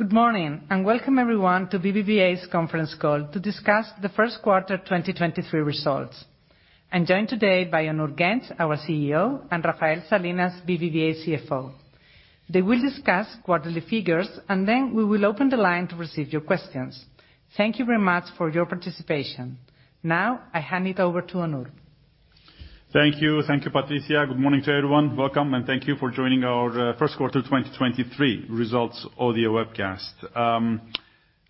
Good morning. Welcome everyone to BBVA's Conference Call to discuss the first quarter 2023 results. I'm joined today by Onur Genç, our CEO, and Rafael Salinas, BBVA CFO. They will discuss quarterly figures, and then we will open the line to receive your questions. Thank you very much for your participation. Now, I hand it over to Onur. Thank you. Thank you, Patricia. Good morning to everyone. Welcome, and thank you for joining our first quarter 2023 results audio webcast. I'm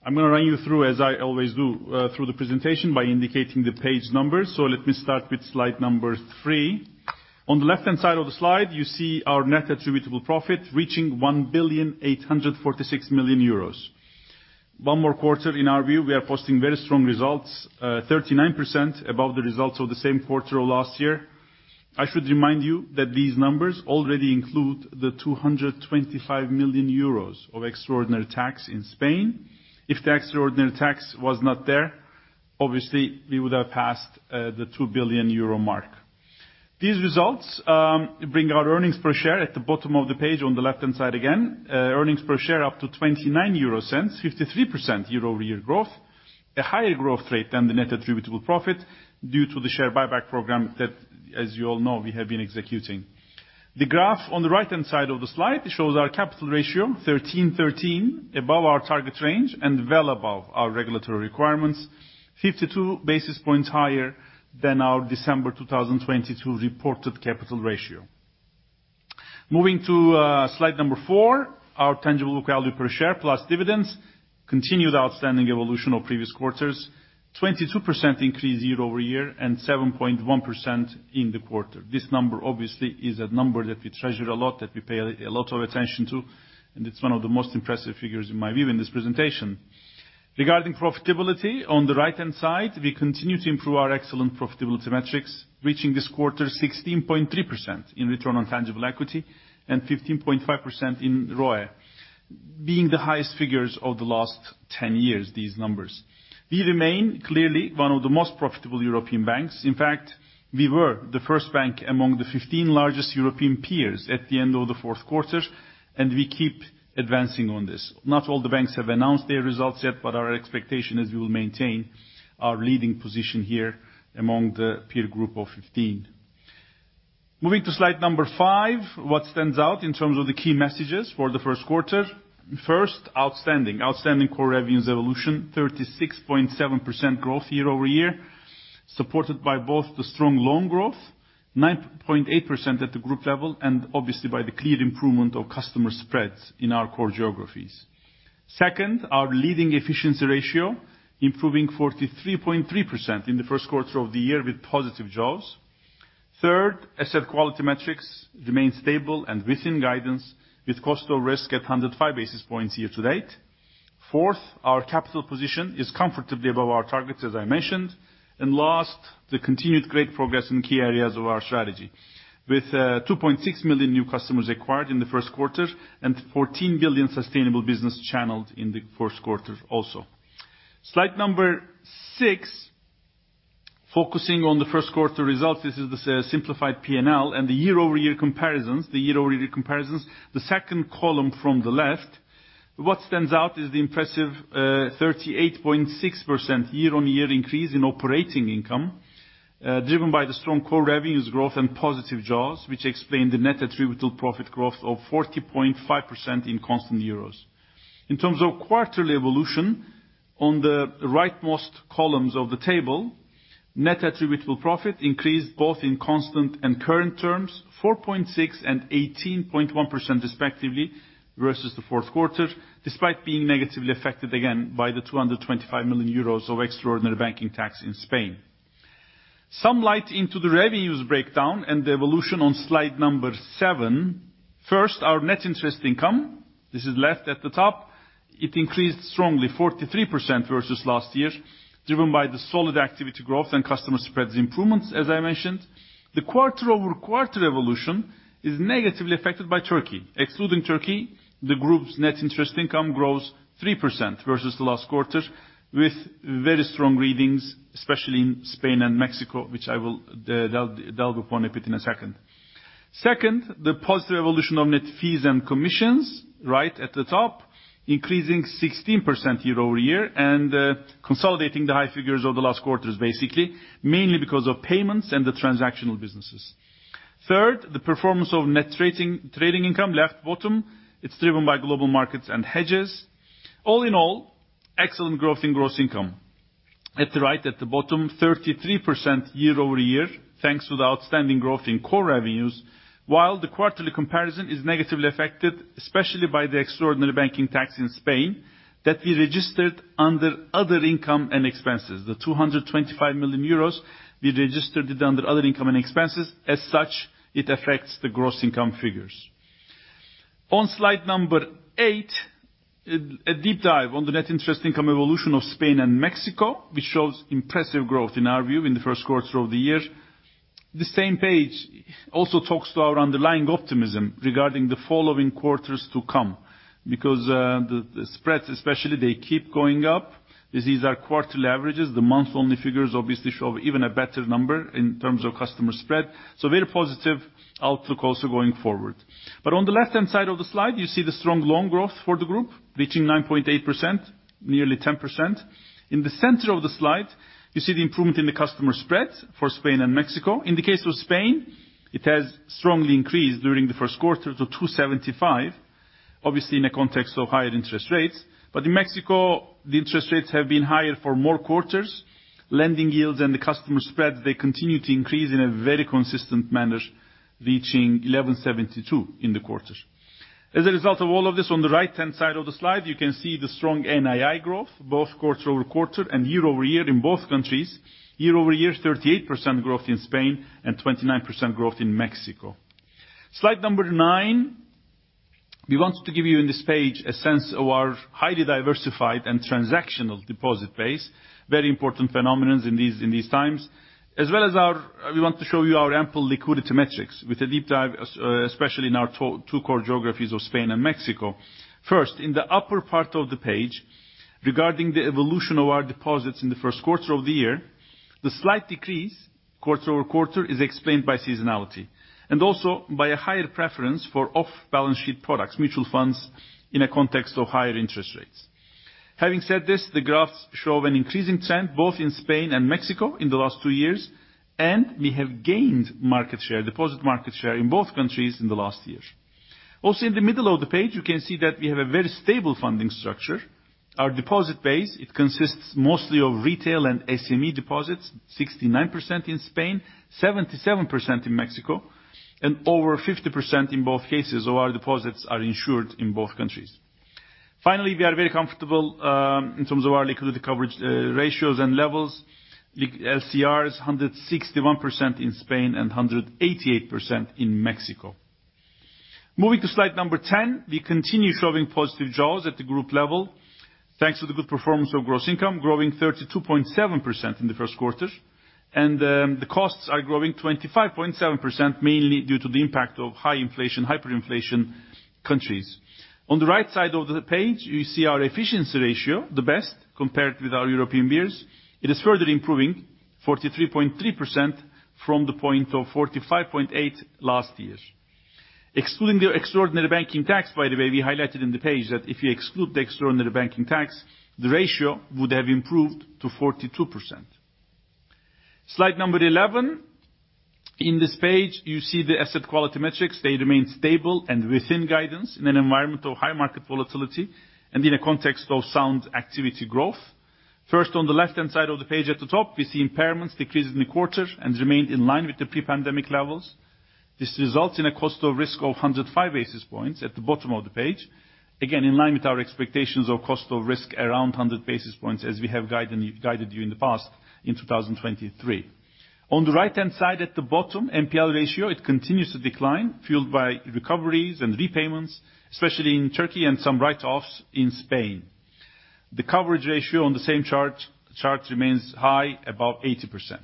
gonna run you through, as I always do, through the presentation by indicating the page numbers. Let me start with slide number three. On the left-hand side of the slide, you see our net attributable profit reaching 1.846 billion. One more quarter, in our view, we are posting very strong results, 39% above the results of the same quarter of last year. I should remind you that these numbers already include the 225 million euros of extraordinary tax in Spain. If the extraordinary tax was not there, obviously, we would have passed the 2 billion euro mark. These results bring our earnings per share at the bottom of the page on the left-hand side again. earnings per share up to 0.29, 53% year-over-year growth. A higher growth rate than the net attributable profit due to the share buyback program that, as you all know, we have been executing. The graph on the right-hand side of the slide shows our capital ratio, 13.13%, above our target range and well above our regulatory requirements, 52 basis points higher than our December 2022 reported capital ratio. Moving to slide number four, our tangible book value per share plus dividends continued outstanding evolution of previous quarters, 22% increase year-over-year and 7.1% in the quarter. This number, obviously, is a number that we treasure a lot, that we pay a lot of attention to, and it's one of the most impressive figures, in my view, in this presentation. Regarding profitability, on the right-hand side, we continue to improve our excellent profitability metrics, reaching this quarter 16.3% in return on tangible equity and 15.5% in ROE, being the highest figures of the last 10 years, these numbers. We remain clearly one of the most profitable European banks. In fact, we were the first bank among the 15 largest European peers at the end of the fourth quarter, and we keep advancing on this. Not all the banks have announced their results yet, but our expectation is we will maintain our leading position here among the peer group of 15. Moving to slide number five, what stands out in terms of the key messages for the first quarter. First, outstanding core revenues evolution, 36.7% growth year-over-year, supported by both the strong loan growth, 9.8% at the group level, and obviously by the clear improvement of customer spreads in our core geographies. Second, our leading efficiency ratio, improving 43.3% in the first quarter of the year with positive jaws. Third, asset quality metrics remain stable and within guidance with cost of risk at 105 basis points year to date. Fourth, our capital position is comfortably above our targets, as I mentioned. Last, the continued great progress in key areas of our strategy with 2.6 million new customers acquired in the first quarter and 14 billion sustainable business channelled in the first quarter also. Slide number six, focusing on the first quarter results. This is the simplified P&L and the year-over-year comparisons. The year-over-year comparisons, the second column from the left. What stands out is the impressive 38.6% year-on-year increase in operating income, driven by the strong core revenues growth and positive jaws, which explain the net attributable profit growth of 40.5% in constant euros. In terms of quarterly evolution, on the right-most columns of the table, net attributable profit increased both in constant and current terms, 4.6% and 18.1% respectively, versus the fourth quarter, despite being negatively affected again by the 225 million euros of extraordinary banking tax in Spain. Some light into the revenues breakdown and the evolution on slide number seven. First, our net interest income. This is left at the top. It increased strongly, 43% versus last year, driven by the solid activity growth and customer spreads improvements, as I mentioned. The quarter-over-quarter evolution is negatively affected by Turkey. Excluding Turkey, the group's net interest income grows 3% versus the last quarter, with very strong readings, especially in Spain and Mexico, which I will delve upon a bit in a second. Second, the positive evolution of net fees and commissions, right at the top, increasing 16% year-over-year and consolidating the high figures of the last quarters, basically, mainly because of payments and the transactional businesses. Third, the performance of net trading income, left bottom. It's driven by global markets and hedges. All in all, excellent growth in gross income. At the right, at the bottom, 33% year-over-year, thanks to the outstanding growth in core revenues, while the quarterly comparison is negatively affected, especially by the extraordinary banking tax in Spain that we registered under other income and expenses. 225 million euros, we registered it under other income and expenses. As such, it affects the gross income figures. On slide number eight, a deep dive on the net interest income evolution of Spain and Mexico, which shows impressive growth in our view in the first quarter of the year. The same page also talks to our underlying optimism regarding the following quarters to come because the spreads especially, they keep going up. These are quarterly averages. The month-only figures obviously show even a better number in terms of customer spread. Very positive outlook also going forward. On the left-hand side of the slide, you see the strong loan growth for the group reaching 9.8%, nearly 10%. In the center of the slide, you see the improvement in the customer spread for Spain and Mexico. In the case of Spain, it has strongly increased during the first quarter to 275, obviously in a context of higher interest rates. In Mexico, the interest rates have been higher for more quarters. Lending yields and the customer spreads, they continue to increase in a very consistent manner, reaching 1,172 in the quarter. As a result of all of this, on the right-hand side of the slide, you can see the strong NII growth, both quarter-over-quarter and year-over-year in both countries. Year-over-year, 38% growth in Spain and 29% growth in Mexico. Slide number nine. We want to give you in this page a sense of our highly diversified and transactional deposit base, very important phenomenons in these times, as well as we want to show you our ample liquidity metrics with a deep dive, especially in our two core geographies of Spain and Mexico. First, in the upper part of the page, regarding the evolution of our deposits in the first quarter of the year, the slight decrease quarter-over-quarter is explained by seasonality and also by a higher preference for off-balance sheet products, mutual funds, in a context of higher interest rates. Having said this, the graphs show an increasing trend both in Spain and Mexico in the last two years, and we have gained deposit market share in both countries in the last year. Also in the middle of the page, you can see that we have a very stable funding structure. Our deposit base, it consists mostly of retail and SME deposits, 69% in Spain, 77% in Mexico, and over 50% in both cases of our deposits are insured in both countries. Finally, we are very comfortable in terms of our liquidity coverage ratios and levels. LCR is 161% in Spain and 188% in Mexico. Moving to slide number 10, we continue showing positive jaws at the group level. Thanks to the good performance of gross income, growing 32.7% in the first quarter. The costs are growing 25.7%, mainly due to the impact of high inflation, hyperinflation countries. On the right side of the page, you see our efficiency ratio, the best compared with our European peers. It is further improving 43.3% from the point of 45.8% last year. Excluding the extraordinary banking tax, by the way, we highlighted in the page that if you exclude the extraordinary banking tax, the ratio would have improved to 42%. Slide number 11. In this page, you see the asset quality metrics. They remain stable and within guidance in an environment of high market volatility and in a context of sound activity growth. First, on the left-hand side of the page at the top, we see impairments decreased in the quarter and remained in line with the pre-pandemic levels. This results in a cost of risk of 105 basis points at the bottom of the page. In line with our expectations of cost of risk around 100 basis points as we have guided you in the past in 2023. On the right-hand side at the bottom, NPL ratio, it continues to decline, fueled by recoveries and repayments, especially in Turkey and some write-offs in Spain. The coverage ratio on the same chart remains high, above 80%.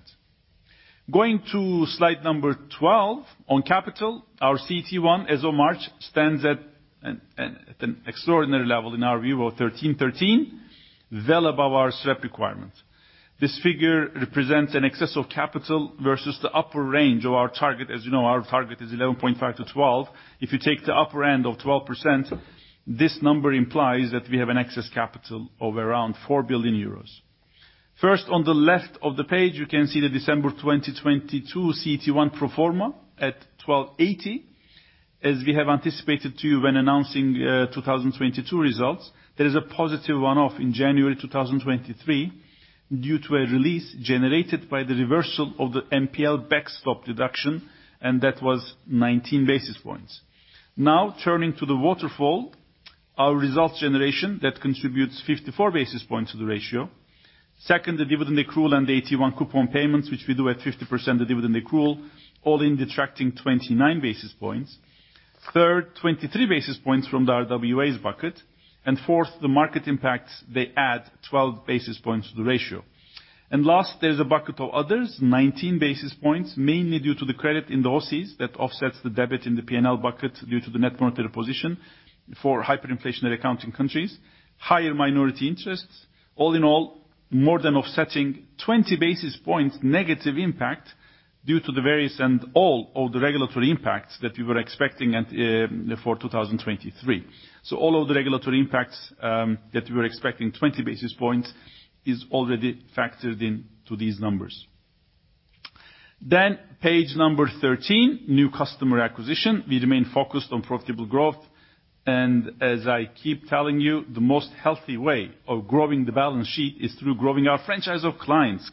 Going to slide number 12 on capital, our CET1 as of March stands at an extraordinary level in our view of 13.13%, well above our SREP requirement. This figure represents an excess of capital versus the upper range of our target. As you know, our target is 11.5%-12%. If you take the upper end of 12%, this number implies that we have an excess capital of around 4 billion euros. On the left of the page, you can see the December 2022 CET1 pro forma at 12.80%. As we have anticipated to you when announcing 2022 results, there is a positive one-off in January 2023 due to a release generated by the reversal of the NPL backstop deduction. That was 19 basis points. Turning to the waterfall, our results generation, that contributes 54 basis points to the ratio. The dividend accrual and the AT1 coupon payments, which we do at 50% the dividend accrual, all in detracting 29 basis points. 23 basis points from the RWAs bucket. Fourth, the market impacts, they add 12 basis points to the ratio. Last, there's a bucket of others, 19 basis points, mainly due to the credit in the OCI that offsets the debit in the P&L bucket due to the net monetary position for hyperinflationary accounting countries, higher minority interests, all in all, more than offsetting 20 basis points negative impact due to the various and all of the regulatory impacts that we were expecting at for 2023. All of the regulatory impacts that we were expecting 20 basis points is already factored into these numbers. Page number 13, new customer acquisition. We remain focused on profitable growth. As I keep telling you, the most healthy way of growing the balance sheet is through growing our franchise of clients.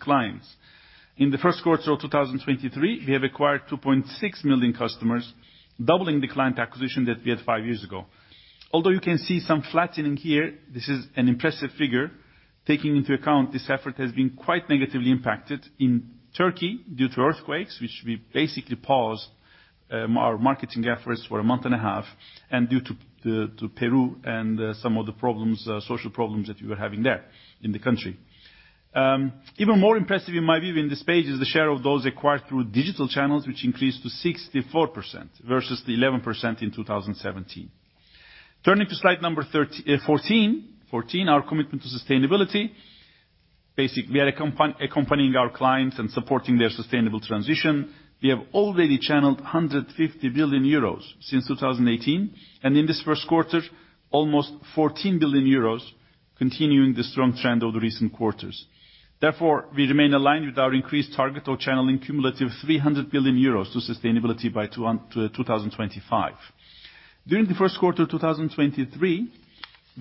In the first quarter of 2023, we have acquired 2.6 million customers, doubling the client acquisition that we had five years ago. Although you can see some flattening here, this is an impressive figure. Taking into account, this effort has been quite negatively impacted in Turkey due to earthquakes, which we basically paused our marketing efforts for a month and a half, and due to Peru and some of the problems, social problems that we were having there in the country. Even more impressive, in my view, in this page, is the share of those acquired through digital channels, which increased to 64% versus the 11% in 2017. Turning to slide number 14, our commitment to sustainability. We are accompanying our clients and supporting their sustainable transition. We have already channeled 150 billion euros since 2018, and in this first quarter, almost 14 billion euros, continuing the strong trend of the recent quarters. Therefore, we remain aligned with our increased target of channeling cumulative 300 billion euros to sustainability by 2025. During the first quarter of 2023,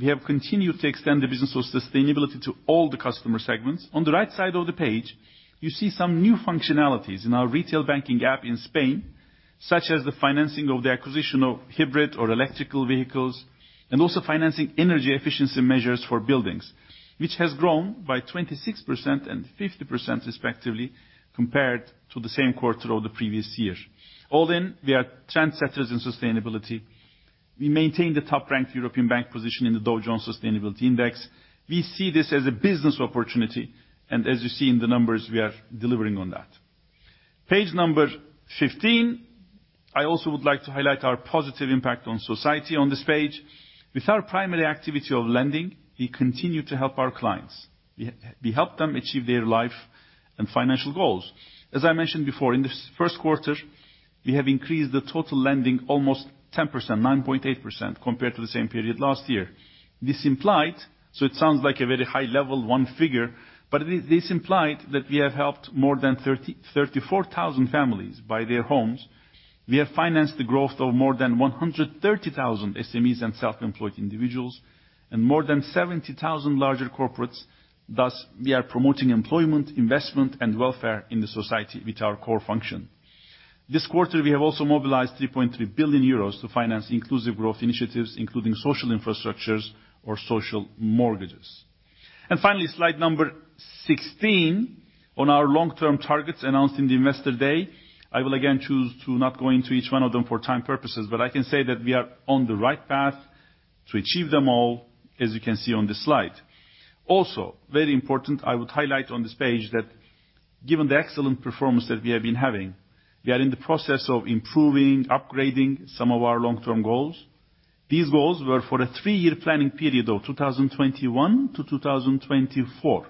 we have continued to extend the business of sustainability to all the customer segments. On the right side of the page, you see some new functionalities in our retail banking app in Spain, such as the financing of the acquisition of hybrid or electrical vehicles, and also financing energy efficiency measures for buildings, which has grown by 26% and 50% respectively, compared to the same quarter of the previous year. All in, we are trendsetters in sustainability. We maintain the top-ranked European bank position in the Dow Jones Sustainability Index. We see this as a business opportunity, and as you see in the numbers, we are delivering on that. Page number 15, I also would like to highlight our positive impact on society on this page. With our primary activity of lending, we continue to help our clients. We help them achieve their life and financial goals. As I mentioned before, in this first quarter, we have increased the total lending almost 10%, 9.8% compared to the same period last year. This implied, so it sounds like a very high level one figure, but this implied that we have helped more than 34,000 families buy their homes. We have financed the growth of more than 130,000 SMEs and self-employed individuals, and more than 70,000 larger corporates, thus we are promoting employment, investment, and welfare in the society with our core function. This quarter, we have also mobilized 3.3 billion euros to finance inclusive growth initiatives, including social infrastructures or social mortgages. Finally, slide number 16. On our long-term targets announced in the Investor Day, I will again choose to not go into each one of them for time purposes, but I can say that we are on the right path to achieve them all, as you can see on this slide. Very important, I would highlight on this page that given the excellent performance that we have been having, we are in the process of improving, upgrading some of our long-term goals. These goals were for a three-year planning period of 2021 to 2024.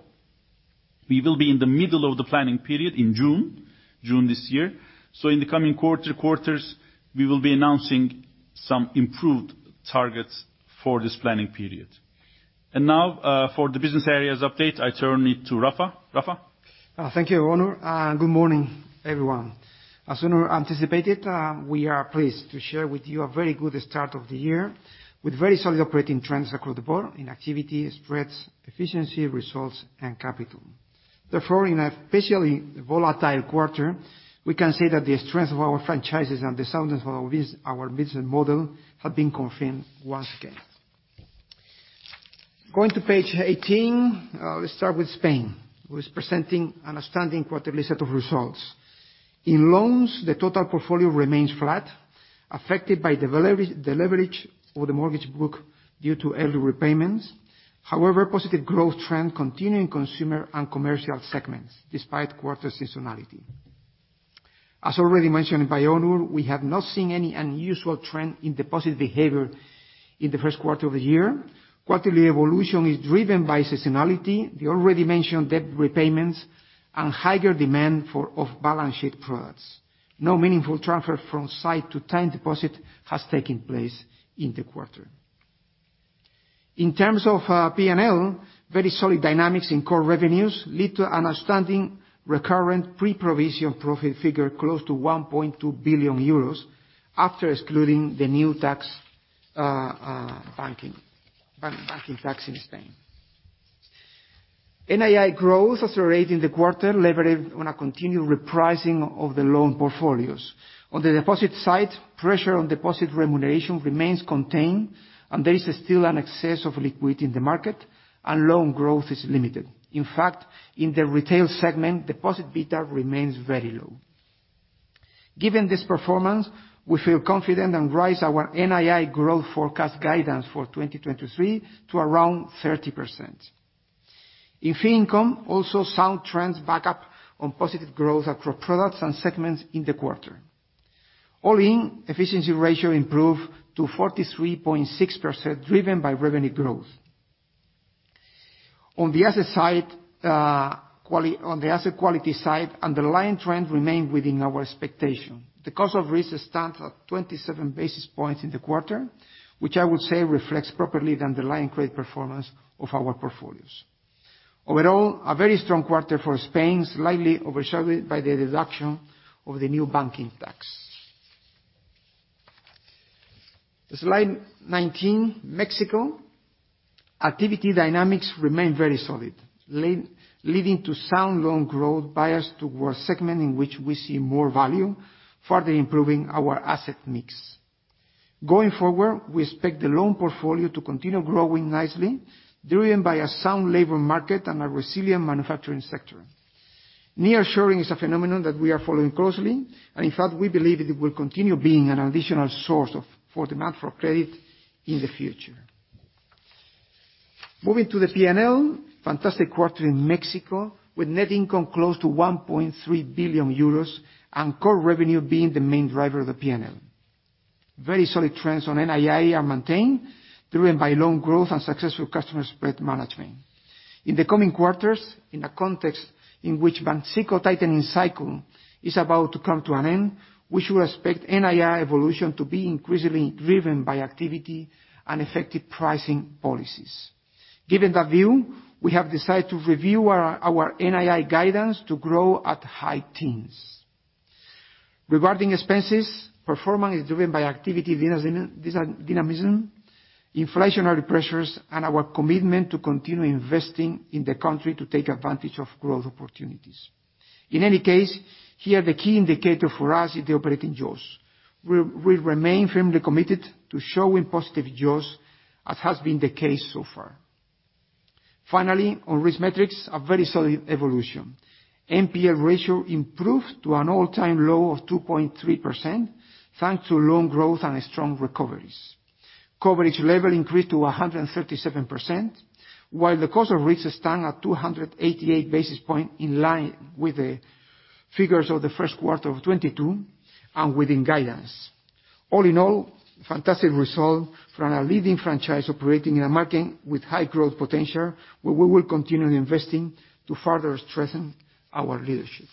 We will be in the middle of the planning period in June this year. In the coming quarters, we will be announcing some improved targets for this planning period. Now, for the business areas update, I turn it to Rafa. Rafa? Thank you, Onur, and good morning, everyone. As Onur anticipated, we are pleased to share with you a very good start of the year, with very solid operating trends across the board in activity, spreads, efficiency, results, and capital. In an especially volatile quarter, we can say that the strength of our franchises and the soundness of our business model have been confirmed once again. Going to page 18, let's start with Spain, who is presenting an outstanding quarterly set of results. In loans, the total portfolio remains flat, affected by the leverage of the mortgage book due to early repayments. However, positive growth trend continue in consumer and commercial segments despite quarter seasonality. As already mentioned by Onur, we have not seen any unusual trend in deposit behavior in the first quarter of the year. Quarterly evolution is driven by seasonality, the already mentioned debt repayments, and higher demand for off-balance sheet products. No meaningful transfer from sight to time deposit has taken place in the quarter. In terms of P&L, very solid dynamics in core revenues lead to an outstanding recurrent pre-provision profit figure close to 1.2 billion euros, after excluding the new tax banking tax in Spain. NII growth accelerated in the quarter, levered on a continued repricing of the loan portfolios. On the deposit side, pressure on deposit remuneration remains contained, and there is still an excess of liquidity in the market, and loan growth is limited. In fact, in the retail segment, deposit beta remains very low. Given this performance, we feel confident and raise our NII growth forecast guidance for 2023 to around 30%. In fee income, also sound trends back up on positive growth across products and segments in the quarter. All in, efficiency ratio improved to 43.6%, driven by revenue growth. On the asset side, on the asset quality side, underlying trend remained within our expectation. The cost of risk stands at 27 basis points in the quarter, which I would say reflects properly the underlying credit performance of our portfolios. Overall, a very strong quarter for Spain, slightly overshadowed by the deduction of the new banking tax. Slide 19, Mexico. Activity dynamics remain very solid, leading to sound loan growth biased towards segment in which we see more value, further improving our asset mix. Going forward, we expect the loan portfolio to continue growing nicely, driven by a sound labor market and a resilient manufacturing sector. Nearshoring is a phenomenon that we are following closely, and in fact, we believe it will continue being an additional source of, for demand for credit in the future. Moving to the P&L, fantastic quarter in Mexico, with net income close to 1.3 billion euros and core revenue being the main driver of the P&L. Very solid trends on NII are maintained, driven by loan growth and successful customer spread management. In the coming quarters, in a context in which Banxico tightening cycle is about to come to an end, we should expect NII evolution to be increasingly driven by activity and effective pricing policies. Given that view, we have decided to review our NII guidance to grow at high teens. Regarding expenses, performance is driven by activity dynamism, inflationary pressures, and our commitment to continue investing in the country to take advantage of growth opportunities. In any case, here the key indicator for us is the operating ratios. We remain firmly committed to showing positive ratios, as has been the case so far. Finally, on risk metrics, a very solid evolution. NPL ratio improved to an all-time low of 2.3% thanks to loan growth and strong recoveries. Coverage level increased to 137%, while the cost of risk stand at 288 basis points, in line with the figures of the first quarter of 2022, and within guidance. All in all, fantastic result from a leading franchise operating in a market with high growth potential, where we will continue investing to further strengthen our leadership.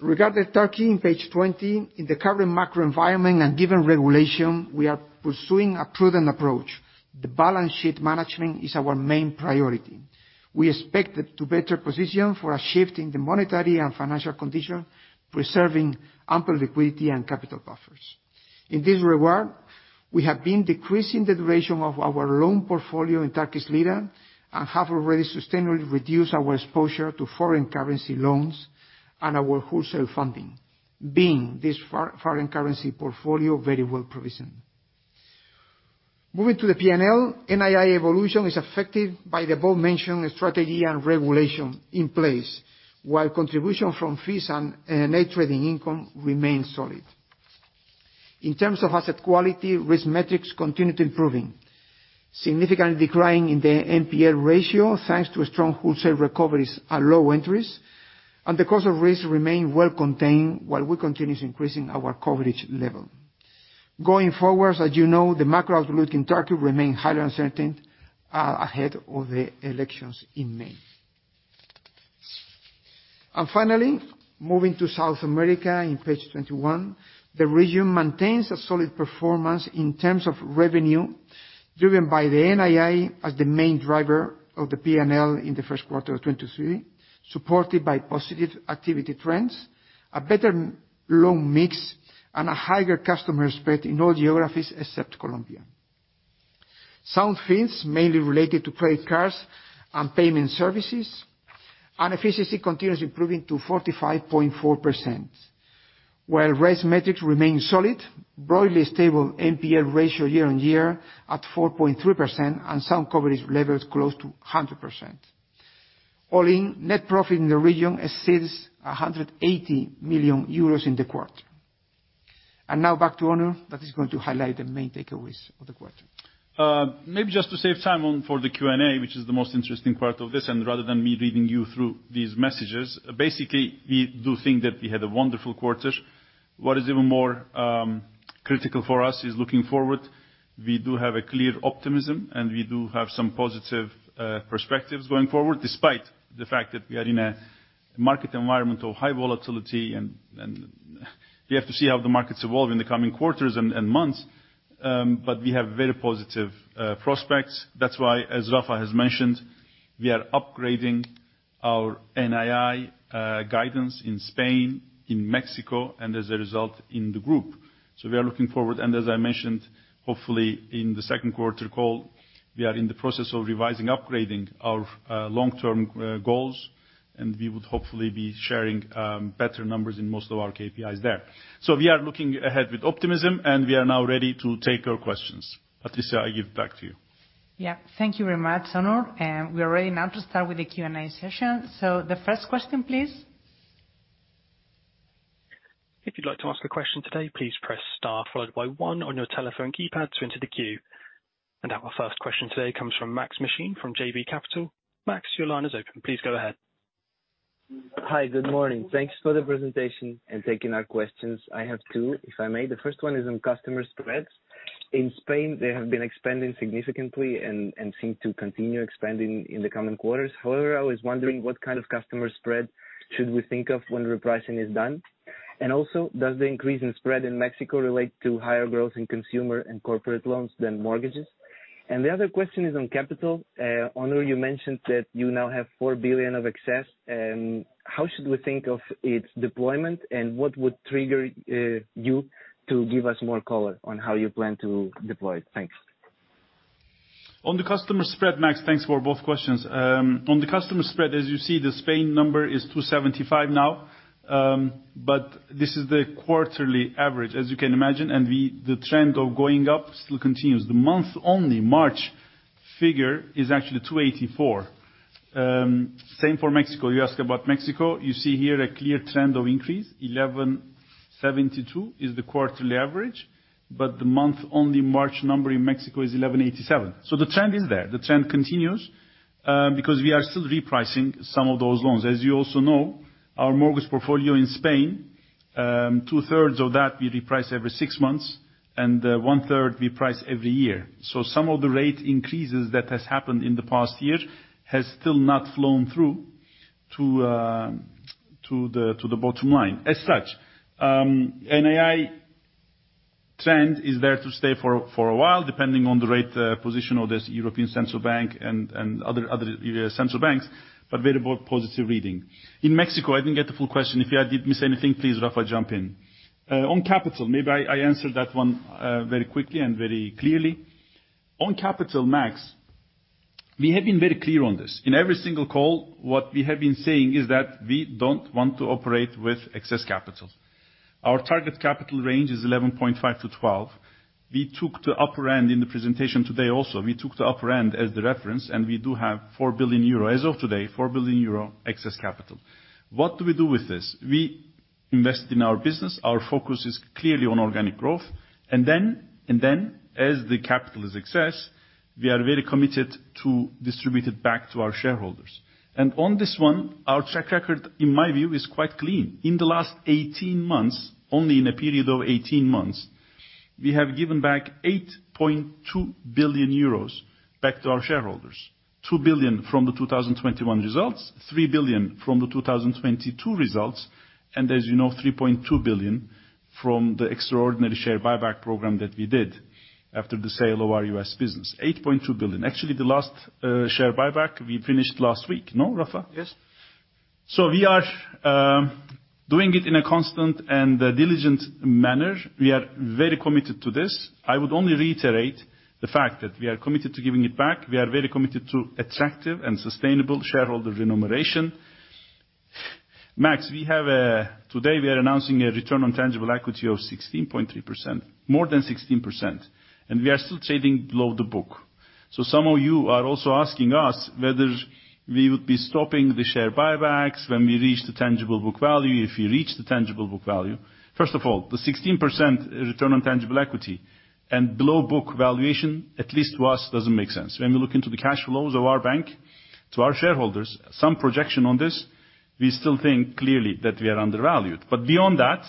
Regarding Turkey, on page 20, in the current macro environment and given regulation, we are pursuing a prudent approach. The balance sheet management is our main priority. We expect it to better position for a shift in the monetary and financial condition, preserving ample liquidity and capital buffers. In this regard, we have been decreasing the duration of our loan portfolio in Turkish lira and have already sustainably reduced our exposure to foreign currency loans and our wholesale funding, being this for-foreign currency portfolio very well provisioned. Moving to the P&L, NII evolution is affected by the above-mentioned strategy and regulation in place, while contribution from fees and net trading income remains solid. In terms of asset quality, risk metrics continue to improving. Significantly decline in the NPL ratio, thanks to strong wholesale recoveries and low entries, the cost of risks remain well contained, while we continue to increasing our coverage level. Going forwards, as you know, the macro outlook in Turkey remain highly uncertain ahead of the elections in May. Finally, moving to South America, in page 21. The region maintains a solid performance in terms of revenue, driven by the NII as the main driver of the P&L in the first quarter of 2023, supported by positive activity trends, a better loan mix, and a higher customer spread in all geographies except Colombia. Sound fees, mainly related to credit cards and payment services. Efficiency continues improving to 45.4%, while risk metrics remain solid. Broadly stable NPL ratio year-on-year at 4.3%, and sound coverage levels close to 100%. All in, net profit in the region exceeds 180 million euros in the quarter. Now back to Onur, that is going to highlight the main takeaways of the quarter. Maybe just to save time on for the Q&A, which is the most interesting part of this, and rather than me reading you through these messages, basically, we do think that we had a wonderful quarter. What is even more critical for us is looking forward. We do have a clear optimism, and we do have some positive perspectives going forward, despite the fact that we are in a market environment of high volatility and we have to see how the markets evolve in the coming quarters and months. We have very positive prospects. That's why, as Rafa has mentioned, we are upgrading our NII guidance in Spain, in Mexico, and as a result, in the group. We are looking forward, and as I mentioned, hopefully in the second quarter call, we are in the process of revising, upgrading our long-term goals, and we would hopefully be sharing better numbers in most of our KPIs there. We are looking ahead with optimism, and we are now ready to take your questions. Patricia, I give it back to you. Yeah. Thank you very much, Onur. We are ready now to start with the Q&A session. The first question, please. If you'd like to ask a question today, please press star followed by one on your telephone keypad to enter the queue. Now our first question today comes from Maks Mishyn from JB Capital. Maks, your line is open. Please go ahead. Hi. Good morning. Thanks for the presentation and taking our questions. I have two, if I may. The first one is on customer spreads. In Spain, they have been expanding significantly and seem to continue expanding in the coming quarters. However, I was wondering what kind of customer spread should we think of when repricing is done. Does the increase in spread in Mexico relate to higher growth in consumer and corporate loans than mortgages? The other question is on capital. Onur, you mentioned that you now have 4 billion of excess. How should we think of its deployment, and what would trigger, you to give us more color on how you plan to deploy it? Thanks. On the customer spread, Maks, thanks for both questions. On the customer spread, as you see, the Spain number is 275 now. This is the quarterly average, as you can imagine, and the trend of going up still continues. The month-only March figure is actually 284. Same for Mexico. You ask about Mexico. You see here a clear trend of increase. 1,172 is the quarterly average, but the month-only March number in Mexico is 1,187. The trend is there. The trend continues because we are still repricing some of those loans. As you also know, our mortgage portfolio in Spain, two-thirds of that we reprice every six months, and one-third we price every year. Some of the rate increases that has happened in the past year has still not flown through to the bottom line. As such, NII trend is there to stay for a while, depending on the rate position of this European Central Bank and other central banks, very positive reading. In Mexico, I didn't get the full question. If I did miss anything, please, Rafa, jump in. On capital, maybe I answered that one very quickly and very clearly. On capital, Maks, we have been very clear on this. In every single call, what we have been saying is that we don't want to operate with excess capital. Our target capital range is 11.5-12. We took the upper end in the presentation today also. We took the upper end as the reference, we do have 4 billion euro. As of today, 4 billion euro excess capital. What do we do with this? We invest in our business. Our focus is clearly on organic growth. As the capital is excess, we are very committed to distribute it back to our shareholders. On this one, our track record, in my view, is quite clean. In the last 18 months, only in a period of 18 months, we have given back 8.2 billion euros back to our shareholders. 2 billion from the 2021 results, 3 billion from the 2022 results, and as you know, 3.2 billion from the extraordinary share buyback program that we did after the sale of our U.S. business. 8.2 billion. Actually, the last share buyback, we finished last week. No, Rafa? Yes. We are doing it in a constant and a diligent manner. We are very committed to this. I would only reiterate the fact that we are committed to giving it back. We are very committed to attractive and sustainable shareholder remuneration. Maks, today we are announcing a return on tangible equity of 16.3%, more than 16%, and we are still trading below the book. Some of you are also asking us whether we would be stopping the share buybacks when we reach the tangible book value, if we reach the tangible book value. First of all, the 16% return on tangible equity and below book valuation, at least to us, doesn't make sense. When we look into the cash flows of our bank to our shareholders, some projection on this, we still think clearly that we are undervalued. Beyond that,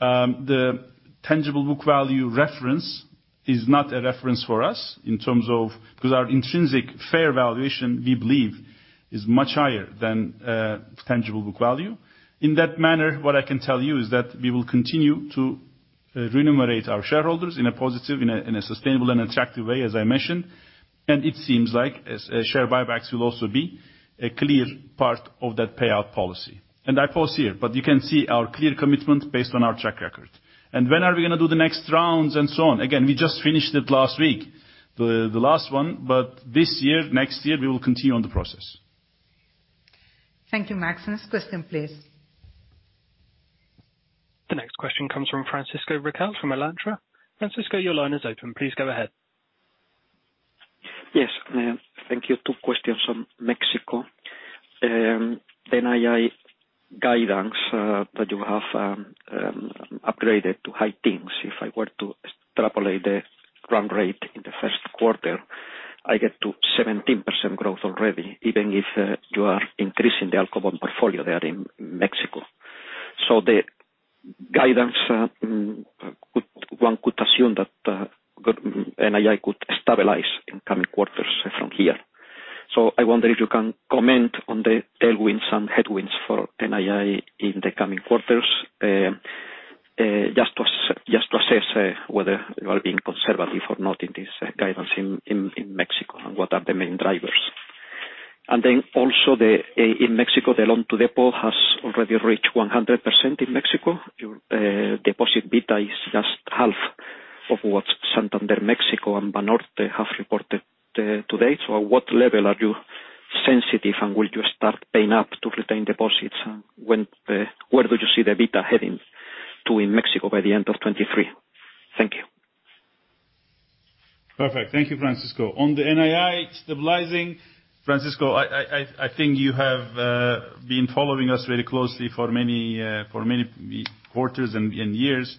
the tangible book value reference is not a reference for us in terms of. Because our intrinsic fair valuation, we believe, is much higher than tangible book value. In that manner, what I can tell you is that we will continue to remunerate our shareholders in a positive, in a sustainable and attractive way, as I mentioned. It seems like share buybacks will also be a clear part of that payout policy. I pause here, but you can see our clear commitment based on our track record. When are we going to do the next rounds and so on? Again, we just finished it last week, the last one, but this year, next year, we will continue on the process. Thank you, Maks. Next question, please. The next question comes from Francisco Riquel from Alantra. Francisco, your line is open. Please go ahead. Yes. Thank you. Two questions on Mexico. NII guidance that you have upgraded to high teens. If I were to extrapolate the run rate in the first quarter, I get to 17% growth already, even if you are increasing the Aqua portfolio there in Mexico. The guidance, one could assume that good NII could stabilize in coming quarters from here. I wonder if you can comment on the tailwinds and headwinds for NII in the coming quarters, just to assess whether you are being conservative or not in this guidance in Mexico and what are the main drivers. Also the in Mexico, the loan to deposit has already reached 100% in Mexico. Your deposit beta is just half of what Santander Mexico and Banorte have reported to date. At what level are you sensitive, and will you start paying up to retain deposits? Where do you see the beta heading to in Mexico by the end of 2023? Thank you. Perfect. Thank you, Francisco. On the NII stabilizing, Francisco, I think you have been following us very closely for many for many quarters and years.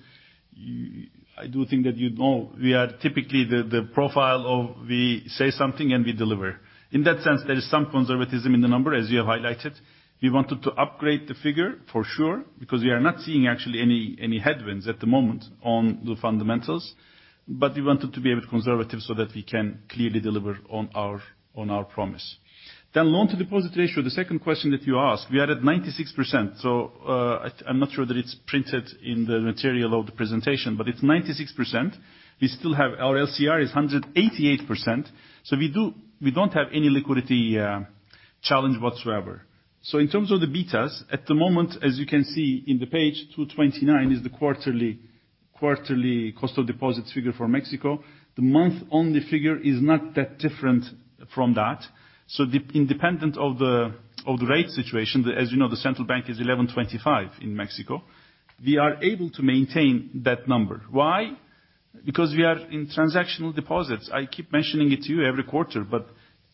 I do think that you know we are typically the profile of we say something and we deliver. In that sense, there is some conservatism in the number, as you have highlighted. We wanted to upgrade the figure for sure, because we are not seeing actually any headwinds at the moment on the fundamentals, but we wanted to be a bit conservative so that we can clearly deliver on our promise. Loan to deposit ratio, the second question that you asked, we are at 96%. I'm not sure that it's printed in the material of the presentation, but it's 96%. We still have our LCR is 188%. We don't have any liquidity challenge whatsoever. In terms of the betas, at the moment, as you can see in the page 229 is the Quarterly cost of deposits figure for Mexico, the month-on-the figure is not that different from that. Independent of the rate situation, as you know, the central bank is 11.25% in Mexico, we are able to maintain that number. Why? Because we are in transactional deposits. I keep mentioning it to you every quarter, but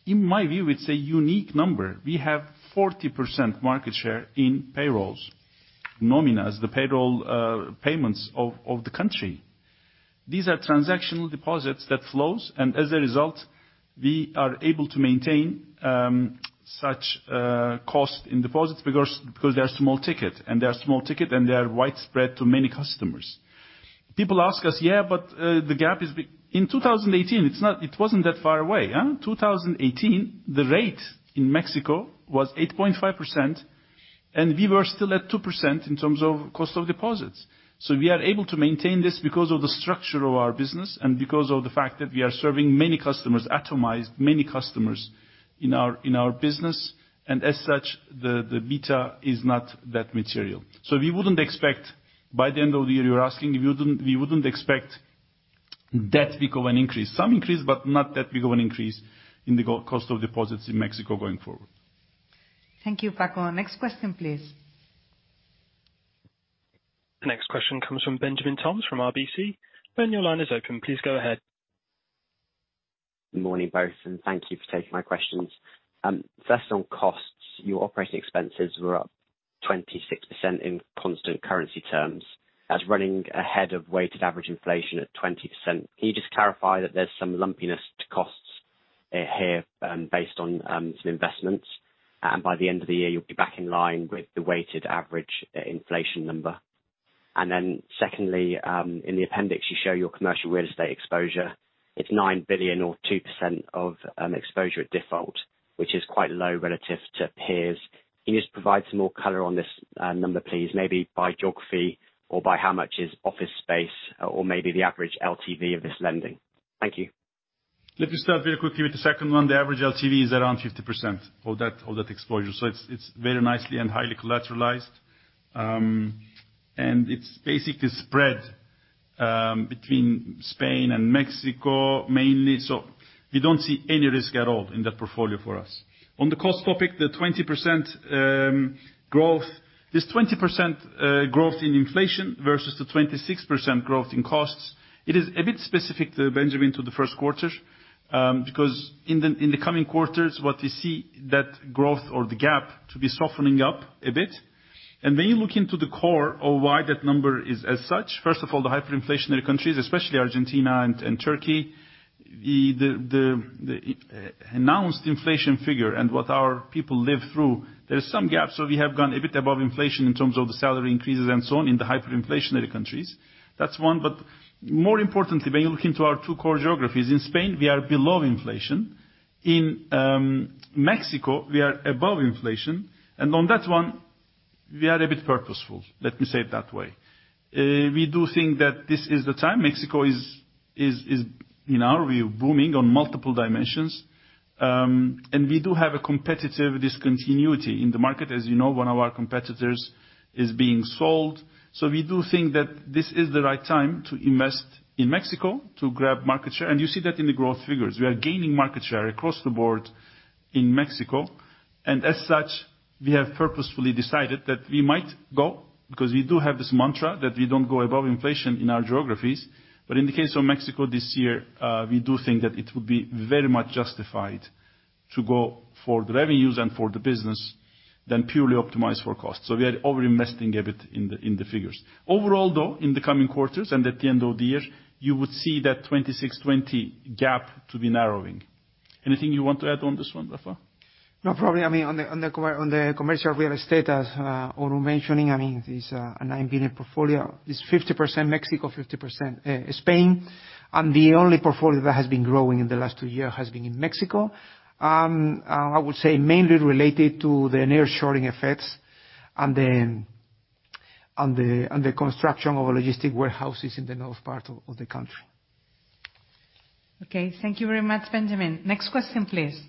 in my view, it's a unique number. We have 40% market share in payrolls. Nóminas, the payroll payments of the country. These are transactional deposits that flows. As a result, we are able to maintain such cost in deposits because they are small ticket, and they are small ticket, and they are widespread to many customers. People ask us, "Yeah, but the gap is big." In 2018, it's not, it wasn't that far away, huh? 2018, the rate in Mexico was 8.5%, and we were still at 2% in terms of cost of deposits. We are able to maintain this because of the structure of our business and because of the fact that we are serving many customers, atomized many customers in our business, and as such, the beta is not that material. We wouldn't expect by the end of the year, you're asking, we wouldn't expect that big of an increase. Some increase, but not that big of an increase in the cost of deposits in Mexico going forward. Thank you, Franco. Next question, please. The next question comes from Benjamin Toms from RBC. Ben, your line is open. Please go ahead. Good morning, both, thank you for taking my questions. First on costs, your operating expenses were up 26% in constant currency terms. That's running ahead of weighted average inflation at 20%. Can you just clarify that there's some lumpiness to costs here, based on some investments, and by the end of the year, you'll be back in line with the weighted average inflation number. Secondly, in the appendix, you show your commercial real estate exposure. It's 9 billion or 2% of exposure at default, which is quite low relative to peers. Can you just provide some more color on this number, please? Maybe by geography or by how much is office space or maybe the average LTV of this lending. Thank you. Let me start very quickly with the second one. The average LTV is around 50% for that, all that exposure. It's very nicely and highly collateralized. It's basically spread between Spain and Mexico mainly. We don't see any risk at all in that portfolio for us. On the cost topic, the 20% growth. This 20% growth in inflation versus the 26% growth in costs, it is a bit specific, Benjamin, to the first quarter. Because in the coming quarters, what we see that growth or the gap to be softening up a bit. When you look into the core of why that number is as such, first of all, the hyperinflationary countries, especially Argentina and Turkey, the announced inflation figure and what our people live through, there is some gaps, so we have gone a bit above inflation in terms of the salary increases and so on in the hyperinflationary countries. That's one. More importantly, when you look into our two core geographies, in Spain, we are below inflation. In Mexico, we are above inflation. On that one, we are a bit purposeful. Let me say it that way. We do think that this is the time. Mexico is, in our view, booming on multiple dimensions. We do have a competitive discontinuity in the market. As you know, one of our competitors is being sold. We do think that this is the right time to invest in Mexico to grab market share. You see that in the growth figures. We are gaining market share across the board in Mexico. As such, we have purposefully decided that we might go, because we do have this mantra that we don't go above inflation in our geographies. In the case of Mexico this year, we do think that it would be very much justified to go for the revenues and for the business than purely optimize for cost. We are over-investing a bit in the, in the figures. Overall, though, in the coming quarters and at the end of the year, you would see that 26-20 gap to be narrowing. Anything you want to add on this one, Rafa? No problem. I mean, on the commercial real estate, as Onur mentioning, I mean, this a 9 billion portfolio is 50% Mexico, 50% Spain, and the only portfolio that has been growing in the last two years has been in Mexico. I would say mainly related to the nearshoring effects and the construction of logistic warehouses in the north part of the country. Thank you very much, Benjamin. Next question, please.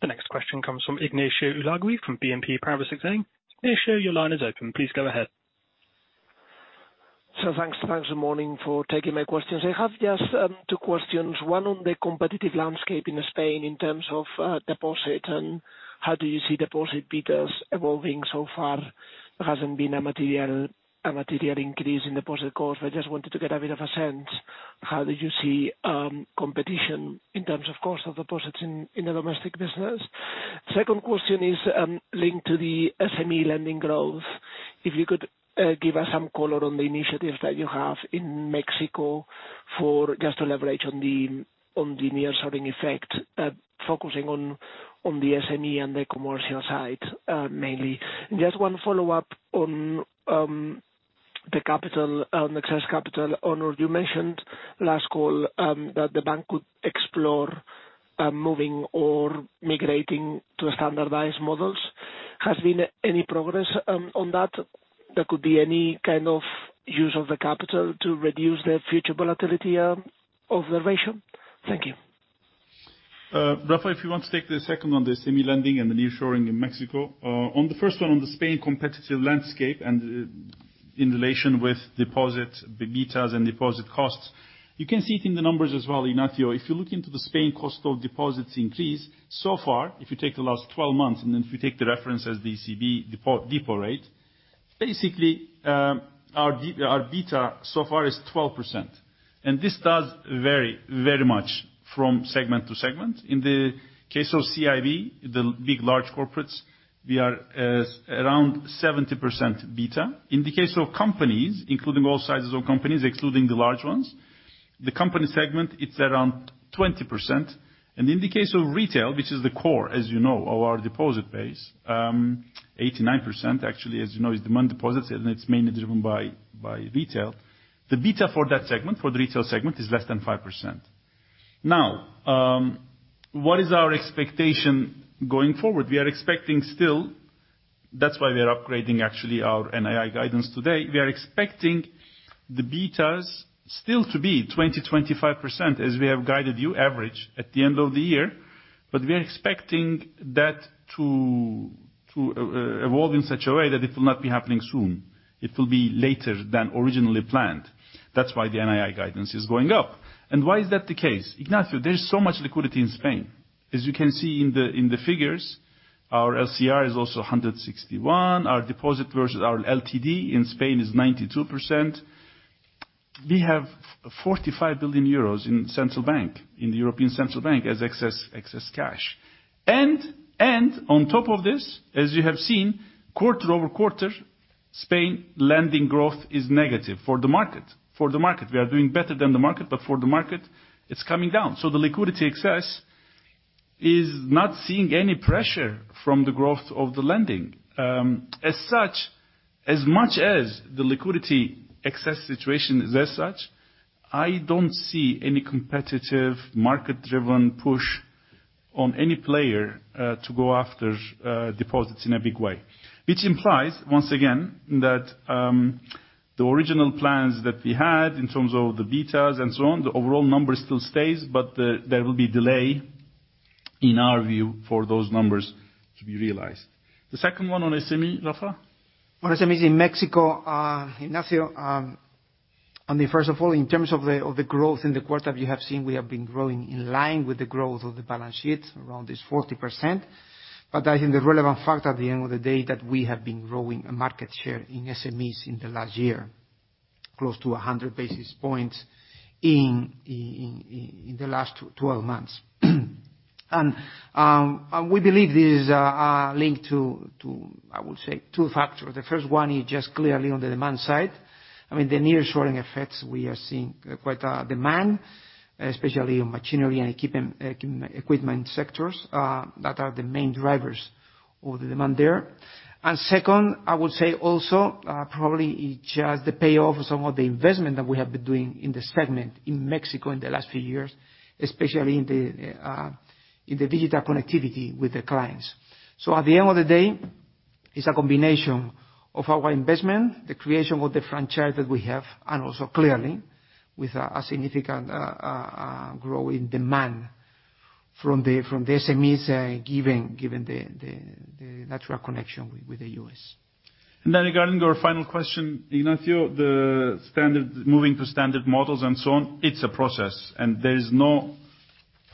The next question comes from Ignacio Ulargui from BNP Paribas Exane. Ignacio, your line is open. Please go ahead. Thanks, thanks in the morning for taking my questions. I have just two questions. one on the competitive landscape in Spain in terms of deposit and how do you see deposit betas evolving so far? There hasn't been a material increase in deposit cost. I just wanted to get a bit of a sense, how do you see competition in terms of cost of deposits in the domestic business? Second question is linked to the SME lending growth. If you could give us some color on the initiatives that you have in Mexico for just to leverage on the nearshoring effect, focusing on the SME and the commercial side, mainly. Just one follow-up on excess capital. Onur, you mentioned last call, that the bank could explore, moving or migrating to standardized models. Has been any progress on that? There could be any kind of use of the capital to reduce the future volatility of the ratio? Thank you. Rafa, if you want to take the second on the semi lending and the nearshoring in Mexico. On the first one, on the Spain competitive landscape and in relation with deposit, the betas and deposit costs, you can see it in the numbers as well, Ignacio. If you look into the Spain cost of deposits increase, so far, if you take the last 12 months, and if you take the reference as ECB depo rate, basically, our beta so far is 12%. This does vary very much from segment to segment. In the case of CIB, the big large corporates, we are around 70% beta. In the case of companies, including all sizes of companies, excluding the large ones, the company segment, it's around 20%. In the case of retail, which is the core, as you know, of our deposit base, 89% actually, as you know, is demand deposits, and it's mainly driven by retail. The beta for that segment, for the retail segment, is less than 5%. Now, what is our expectation going forward? We are expecting still. That's why we are upgrading actually our NII guidance today. We are expecting the betas still to be 20%-25%, as we have guided you average at the end of the year, but we are expecting that to evolve in such a way that it will not be happening soon. It will be later than originally planned. That's why the NII guidance is going up. Why is that the case? Ignacio, there's so much liquidity in Spain. As you can see in the figures, our LCR is also 161. Our deposit versus our LTD in Spain is 92%. We have 45 billion euros in the European Central Bank as excess cash. On top of this, as you have seen quarter-over-quarter, Spain lending growth is negative for the market. We are doing better than the market, but for the market, it's coming down. The liquidity excess is not seeing any pressure from the growth of the lending. As such, as much as the liquidity excess situation is as such, I don't see any competitive market-driven push on any player, to go after, deposits in a big way, which implies, once again, that, the original plans that we had in terms of the betas and so on, the overall number still stays. There will be delay, in our view, for those numbers to be realized. The second one on SME, Rafa. On SMEs in Mexico, Ignacio, First of all, in terms of the growth in the quarter, you have seen we have been growing in line with the growth of the balance sheet, around this 40%. I think the relevant fact at the end of the day that we have been growing a market share in SMEs in the last year, close to 100 basis points in the last 12 months. We believe this is linked to, I would say, two factors. The first one is just clearly on the demand side. I mean, the nearshoring effects, we are seeing quite a demand, especially on machinery and equipment sectors, that are the main drivers of the demand there. Second, I would say also, probably it has the payoff of some of the investment that we have been doing in this segment in Mexico in the last few years, especially in the digital connectivity with the clients. At the end of the day, it's a combination of our investment, the creation of the franchise that we have, and also clearly with a significant growth in demand from the SMEs, given the natural connection with the U.S. Regarding your final question, Ignacio, the moving to standard models and so on, it's a process, and there is no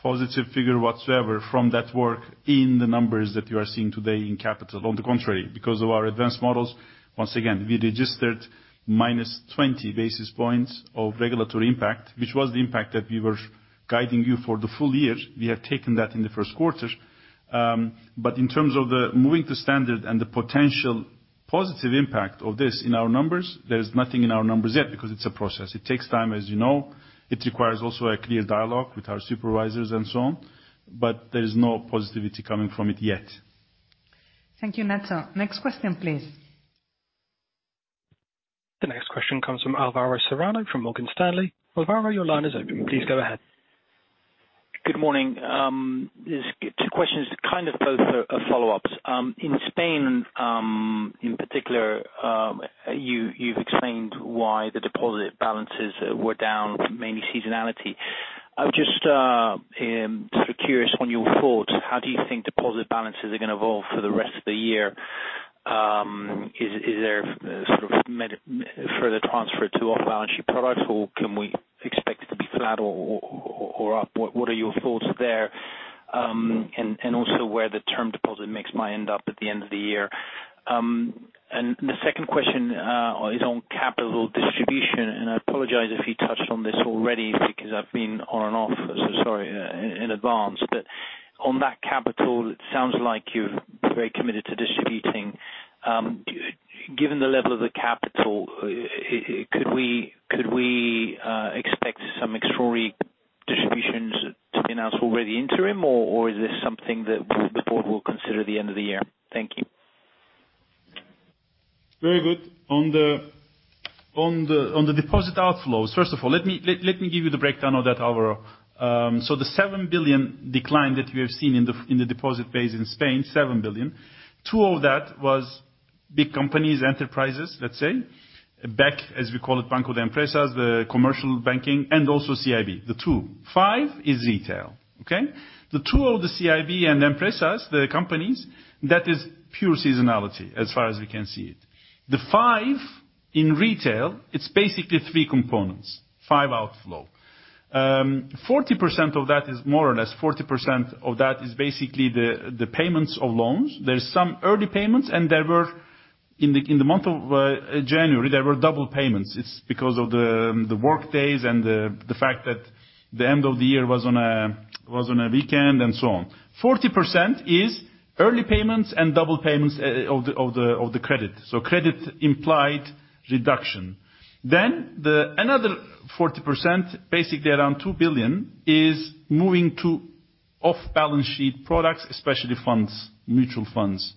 positive figure whatsoever from that work in the numbers that you are seeing today in capital. On the contrary, because of our advanced models, once again, we registered -20 basis points of regulatory impact, which was the impact that we were guiding you for the full year. We have taken that in the first quarter. In terms of the moving to standard and the potential positive impact of this in our numbers, there is nothing in our numbers yet because it's a process. It takes time, as you know. It requires also a clear dialogue with our supervisors and so on, but there is no positivity coming from it yet. Thank you, Ignacio. Next question, please. The next question comes from Alvaro Serrano from Morgan Stanley. Alvaro, your line is open. Please go ahead. Good morning. Just two questions, kind of both follow-ups. In Spain, in particular, you've explained why the deposit balances were down, mainly seasonality. I'm just sort of curious on your thoughts. How do you think deposit balances are gonna evolve for the rest of the year? Is there sort of further transfer to off-balance-sheet products, or can we expect it to be flat or up? What are your thoughts there? Also where the term deposit mix might end up at the end of the year. The second question is on capital distribution, and I apologize if you touched on this already because I've been on and off, so sorry in advance. On that capital, it sounds like you're very committed to distributing. Given the level of the capital, could we expect some extraordinary distributions to be announced over the interim, or is this something that the board will consider at the end of the year? Thank you. Very good. On the deposit outflows, first of all, let me give you the breakdown of that, Alvaro. The 7 billion decline that you have seen in the deposit base in Spain, 7 billion, two of that was big companies, enterprises, let's say, as we call it, Banco de Empresas, the Commercial Banking, and also CIB, the two. Five is retail, okay? The two of the CIB and empresas, the companies, that is pure seasonality as far as we can see it. The five in retail, it's basically three components, five outflow. 40% of that is more or less basically the payments of loans. There's some early payments, and there were in the month of January, there were double payments. It's because of the work days and the fact that the end of the year was on a, was on a weekend and so on. 40% is early payments and double payments of the credit. Credit implied reduction. The another 40%, basically around 2 billion, is moving to off-balance sheet products, especially funds, mutual funds.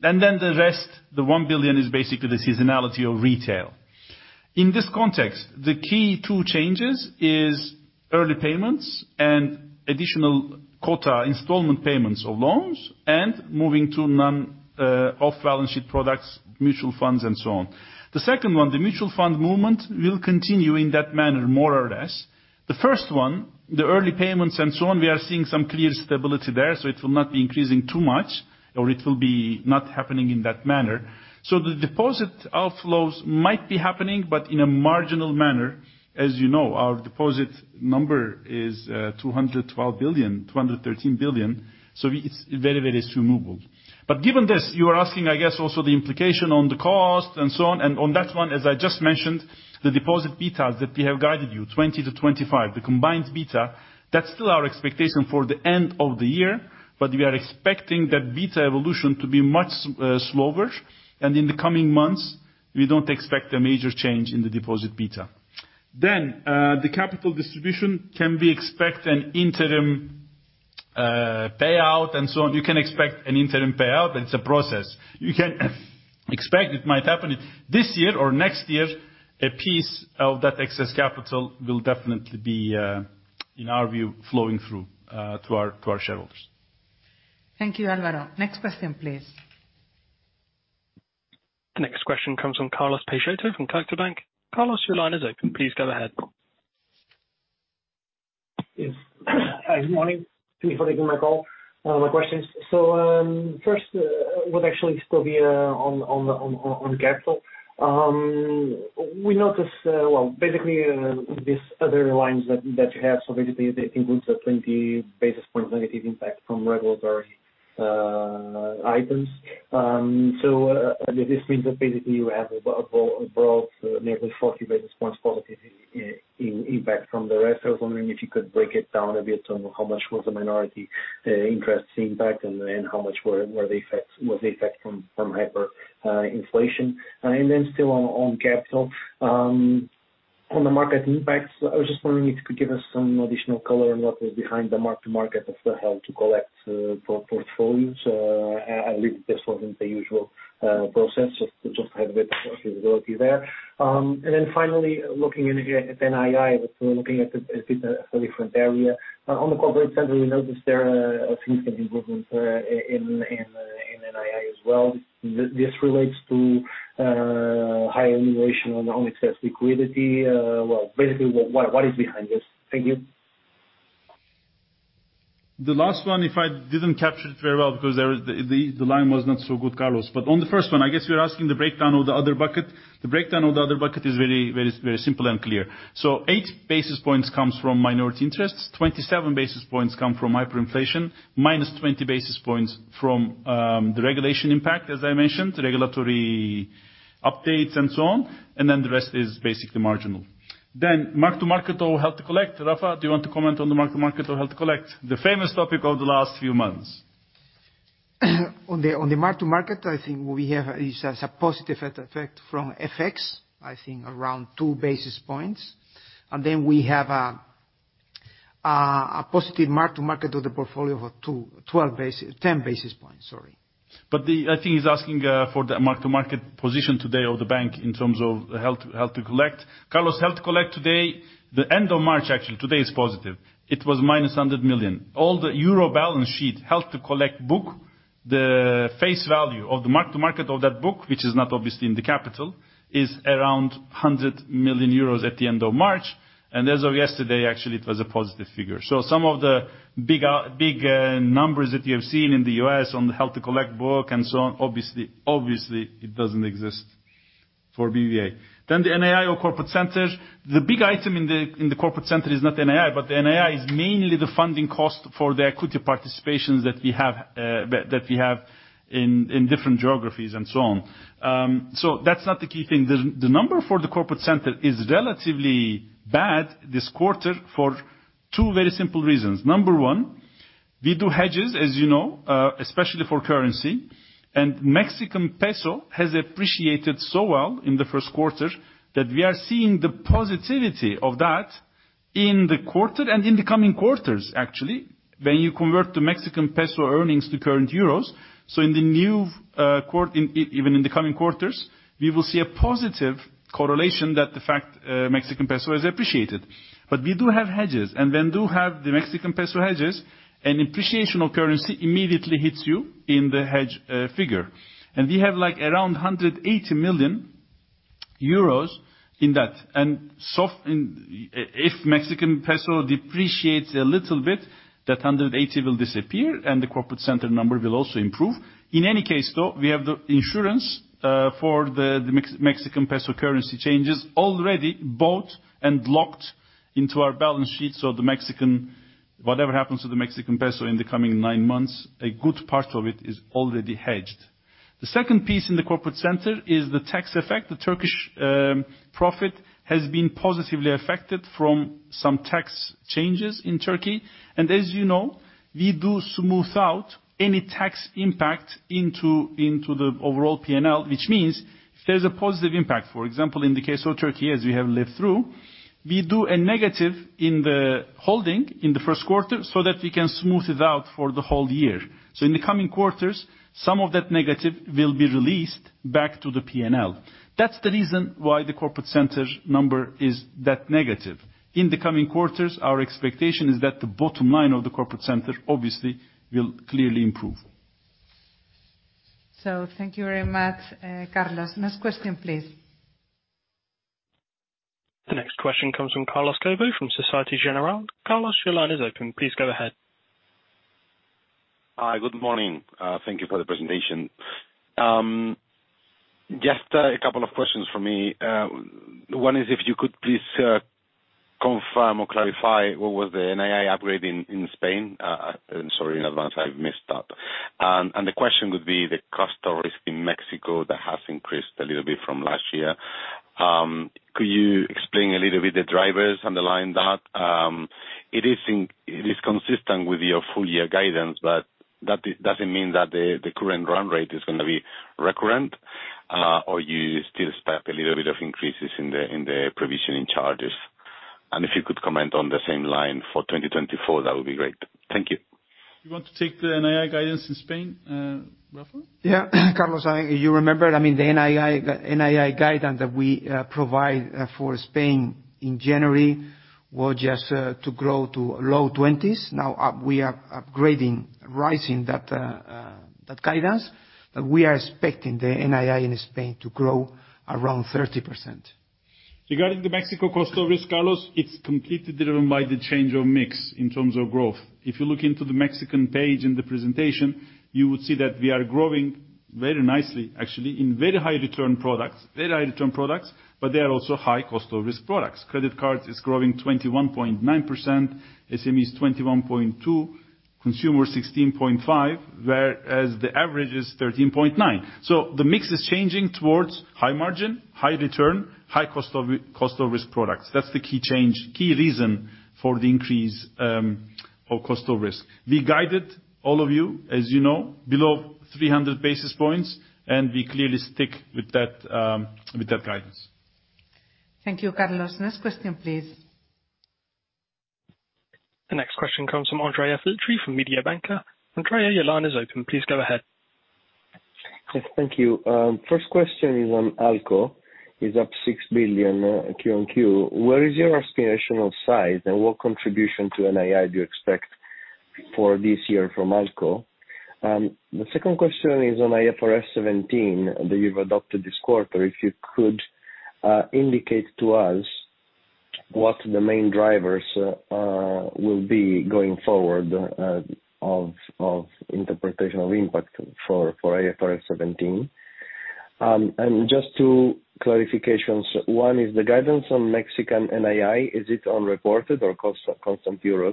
The rest, the 1 billion is basically the seasonality of retail. In this context, the key two changes is early payments and additional quota installment payments of loans and moving to non, off-balance sheet products, mutual funds and so on. The second one, the mutual fund movement, will continue in that manner, more or less. The first one, the early payments and so on, we are seeing some clear stability there, so it will not be increasing too much, or it will be not happening in that manner. The deposit outflows might be happening, but in a marginal manner. As you know, our deposit number is 212 billion, 213 billion, so it's very, very small. Given this, you are asking, I guess, also the implication on the cost and so on, and on that one, as I just mentioned, the deposit betas that we have guided you, 20-25. The combined beta, that's still our expectation for the end of the year, but we are expecting that beta evolution to be much slower. In the coming months, we don't expect a major change in the deposit beta. The capital distribution, can we expect an interim payout and so on? You can expect an interim payout, but it's a process. You can expect it might happen this year or next year. A piece of that excess capital will definitely be, in our view, flowing through to our shareholders. Thank you, Alvaro. Next question, please. The next question comes from Carlos Peixoto from CaixaBank. Carlos, your line is open. Please go ahead. Yes. Hi, good morning. Thank you for taking my call. My questions. First, what actually still be on capital. We noticed, well, basically, these other lines that you have, they include the 20 basis points negative impact from regulatory items. This means that basically you have both nearly 40 basis points positive impact from the rest. I was wondering if you could break it down a bit on how much was the minority interest impact and how much was the effect from hyper inflation. Still on capital, on the market impacts, I was just wondering if you could give us some additional color on what is behind the mark-to-market of the held-to-collect portfolios. I believe this wasn't the usual process, just to have a bit of visibility there. Finally, looking at NII, we're looking at a bit different area. On the corporate center, we noticed there a significant improvement in NII as well. This relates to higher utilization on excess liquidity. Well, basically, what is behind this? Thank you. The last one, if I didn't capture it very well, because there was the line was not so good, Carlos. On the first one, I guess you're asking the breakdown of the other bucket. The breakdown of the other bucket is very, very, very simple and clear. 8 basis points comes from minority interests, 27 basis points come from hyperinflation, -20 basis points from the regulation impact, as I mentioned, regulatory updates and so on, the rest is basically marginal. Mark-to-market or held to collect. Rafa, do you want to comment on the mark-to-market or held to collect? The famous topic of the last few months. On the mark to market, I think we have is a positive effect from FX, I think around 2 basis points. Then we have a positive mark-to-market of the portfolio of 10 basis points, sorry. I think he's asking for the mark-to-market position today of the bank in terms of held to collect. Carlos, held to collect today, the end of March, actually, today is positive. It was -100 million. All the euro balance sheet held to collect book, the face value of the mark-to-market of that book, which is not obviously in the capital, is around 100 million euros at the end of March. As of yesterday, actually, it was a positive figure. Some of the big numbers that you have seen in the U.S. on the held to collect book and so on, obviously, it doesn't exist for BBVA. The NII or corporate centers. The big item in the, in the corporate center is not NII, but the NII is mainly the funding cost for the equity participations that we have, that we have in different geographies and so on. That's not the key thing. The number for the corporate center is relatively bad this quarter for two very simple reasons. Number one, we do hedges, as you know, especially for currency. Mexican peso has appreciated so well in the first quarter that we are seeing the positivity of that in the quarter and in the coming quarters, actually, when you convert the Mexican peso earnings to current euros. In the new, even in the coming quarters, we will see a positive correlation that the fact, Mexican peso has appreciated. We do have hedges, and when you have the Mexican peso hedges, an appreciation of currency immediately hits you in the hedge figure. We have, like, around 180 million euros in that. Soft in, if Mexican peso depreciates a little bit, that 180 will disappear, and the corporate center number will also improve. In any case, though, we have the insurance for the Mexican peso currency changes already bought and locked into our balance sheet, so whatever happens to the Mexican peso in the coming nine months, a good part of it is already hedged. The second piece in the corporate center is the tax effect. The Turkish profit has been positively affected from some tax changes in Turkey. As you know, we do smooth out any tax impact into the overall P&L. If there's a positive impact, for example, in the case of Turkey, as we have lived through, we do a negative in the holding in the first quarter so that we can smooth it out for the whole year. In the coming quarters, some of that negative will be released back to the P&L. That's the reason why the corporate center number is that negative. In the coming quarters, our expectation is that the bottom line of the corporate center obviously will clearly improve. Thank you very much, Carlos. Next question, please. The next question comes from Carlos Cobo from Société Générale. Carlos, your line is open. Please go ahead. Hi. Good morning. Thank you for the presentation. Just a couple of questions from me. One is if you could please confirm or clarify what was the NII upgrade in Spain? Sorry in advance I've missed that. The question would be the cost of risk in Mexico that has increased a little bit from last year, could you explain a little bit the drivers underlying that? It is consistent with your full year guidance, but that doesn't mean that the current run rate is gonna be recurrent, or you still expect a little bit of increases in the provisioning charges. If you could comment on the same line for 2024, that would be great. Thank you. You want to take the NII guidance in Spain, Rafa? Yeah. Carlos, I, you remember, I mean, the NII guidance that we provide for Spain in January was just to grow to low twenties. Now up we are upgrading, rising that guidance. We are expecting the NII in Spain to grow around 30%. Regarding the Mexico cost of risk, Carlos, it's completely driven by the change of mix in terms of growth. If you look into the Mexican page in the presentation, you would see that we are growing very nicely, actually, in very high return products. Very high return products, but they are also high cost of risk products. Credit cards is growing 21.9%, SMEs 21.2%, consumer 16.5%, whereas the average is 13.9%. The mix is changing towards high margin, high return, high cost of risk products. That's the key change, key reason for the increase of cost of risk. We guided all of you, as you know, below 300 basis points, and we clearly stick with that guidance. Thank you, Carlos. Next question, please. The next question comes from Andrea Filtri from Mediobanca. Andrea, your line is open. Please go ahead. Yes. Thank you. First question is on ALCO, is up 6 billion Q on Q. Where is your aspirational size and what contribution to NII do you expect for this year from ALCO? The second question is on IFRS 17, that you've adopted this quarter. If you could indicate to us what the main drivers will be going forward of interpretational impact for IFRS 17. Just two clarifications. One is the guidance on Mexican NII, is it on reported or cost, constant EUR?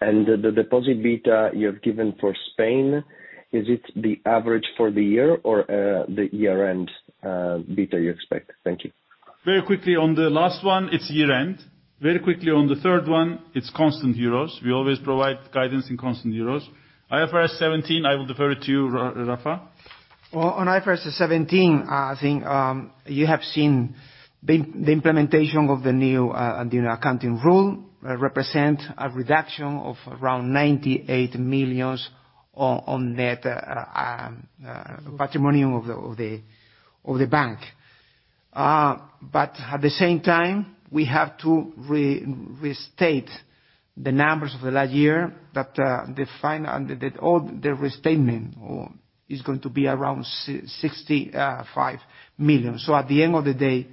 And the deposit beta you have given for Spain, is it the average for the year or the year-end beta you expect? Thank you. Very quickly on the last one, it's year-end. Very quickly on the third one, it's constant euros. We always provide guidance in constant euros. IFRS 17, I will defer to you Rafa. On IFRS 17, I think, you have seen the implementation of the new accounting rule represent a reduction of around 98 million on net patrimonium of the bank. At the same time we have to restate the numbers of the last year that Under the all the restatement is going to be around 65 million. At the end of the day,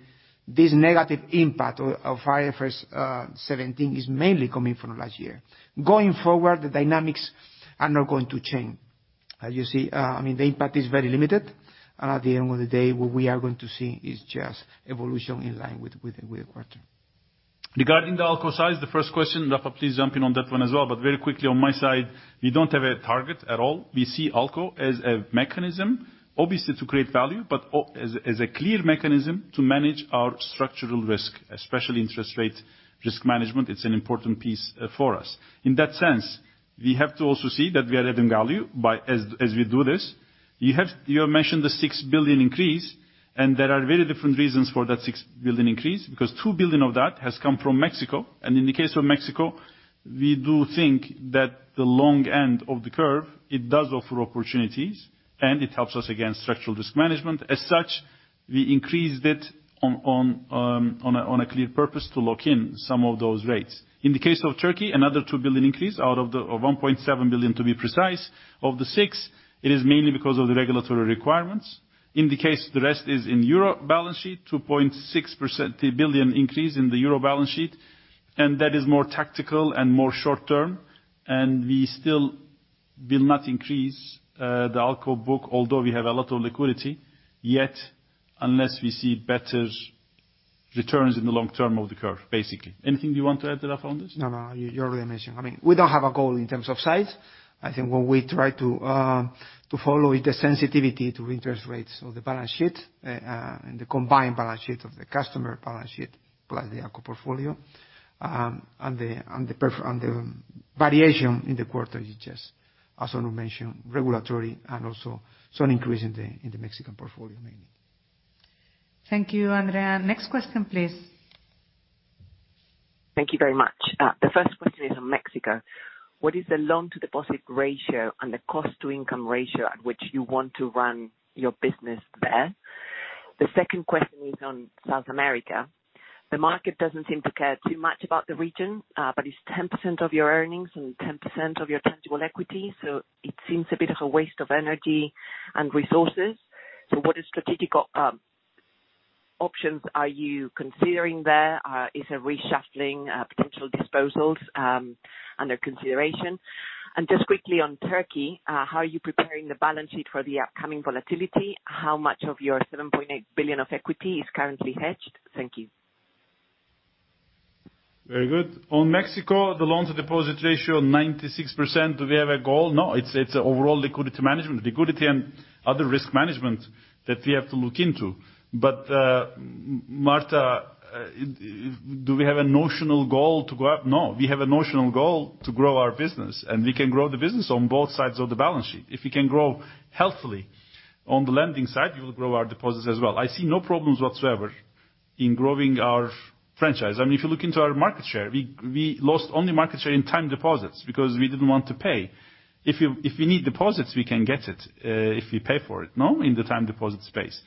this negative impact of IFRS 17 is mainly coming from last year. Going forward, the dynamics are not going to change. As you see, I mean, the impact is very limited. At the end of the day, what we are going to see is just evolution in line with the quarter. Regarding the ALCO size, the first question, Rafa, please jump in on that one as well. Very quickly on my side, we don't have a target at all. We see ALCO as a mechanism, obviously to create value, but as a clear mechanism to manage our structural risk, especially interest rate risk management. It's an important piece for us. In that sense, we have to also see that we are adding value by as we do this. You have mentioned the 6 billion increase, there are very different reasons for that 6 billion increase, because 2 billion of that has come from Mexico. In the case of Mexico, we do think that the long end of the curve, it does offer opportunities, and it helps us against structural risk management. As such, we increased it on a clear purpose to lock in some of those rates. In the case of Turkey, another 2 billion increase out of the 1.7 billion to be precise of the six, it is mainly because of the regulatory requirements. In the case, the rest is in Europe balance sheet, 2.6 percent-billion increase in the Euro balance sheet, and that is more tactical and more short-term. We still will not increase the ALCO book, although we have a lot of liquidity, yet, unless we see better returns in the long term of the curve, basically. Anything you want to add, Rafa, on this? No, no. You already mentioned. I mean, we don't have a goal in terms of size. I think what we try to follow is the sensitivity to interest rates of the balance sheet, and the combined balance sheet of the customer balance sheet, plus the ALCO portfolio, and the variation in the quarter is just as Onur mentioned, regulatory and also some increase in the Mexican portfolio mainly. Thank you, Andrea. Next question, please. Thank you very much. The first question is on Mexico. What is the loan to deposit ratio and the cost to income ratio at which you want to run your business there? The second question is on South America. The market doesn't seem to care too much about the region, but it's 10% of your earnings and 10% of your tangible equity, so it seems a bit of a waste of energy and resources. What is strategic options are you considering there? Is a reshuffling, potential disposals, under consideration? Just quickly on Turkey, how are you preparing the balance sheet for the upcoming volatility? How much of your 7.8 billion of equity is currently hedged? Thank you. Very good. On Mexico, the loans to deposit ratio, 96%. Do we have a goal? No. It's overall liquidity management, liquidity and other risk management that we have to look into. Marta, do we have a notional goal to go up? No. We have a notional goal to grow our business, and we can grow the business on both sides of the balance sheet. If we can grow healthily on the lending side, we will grow our deposits as well. I see no problems whatsoever in growing our franchise. I mean, if you look into our market share, we lost only market share in time deposits because we didn't want to pay. If you need deposits, we can get it if we pay for it, no, in the time deposit space.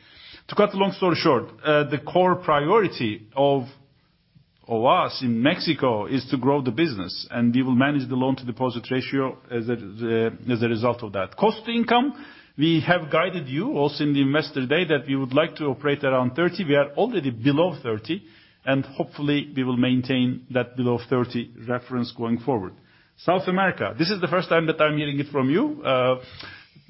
To cut a long story short, the core priority of us in Mexico is to grow the business, and we will manage the loan to deposit ratio as a, as a result of that. Cost to income, we have guided you also in the Investor Day that we would like to operate around 30. We are already below 30, and hopefully we will maintain that below 30 reference going forward. South America, this is the first time that I'm hearing it from you.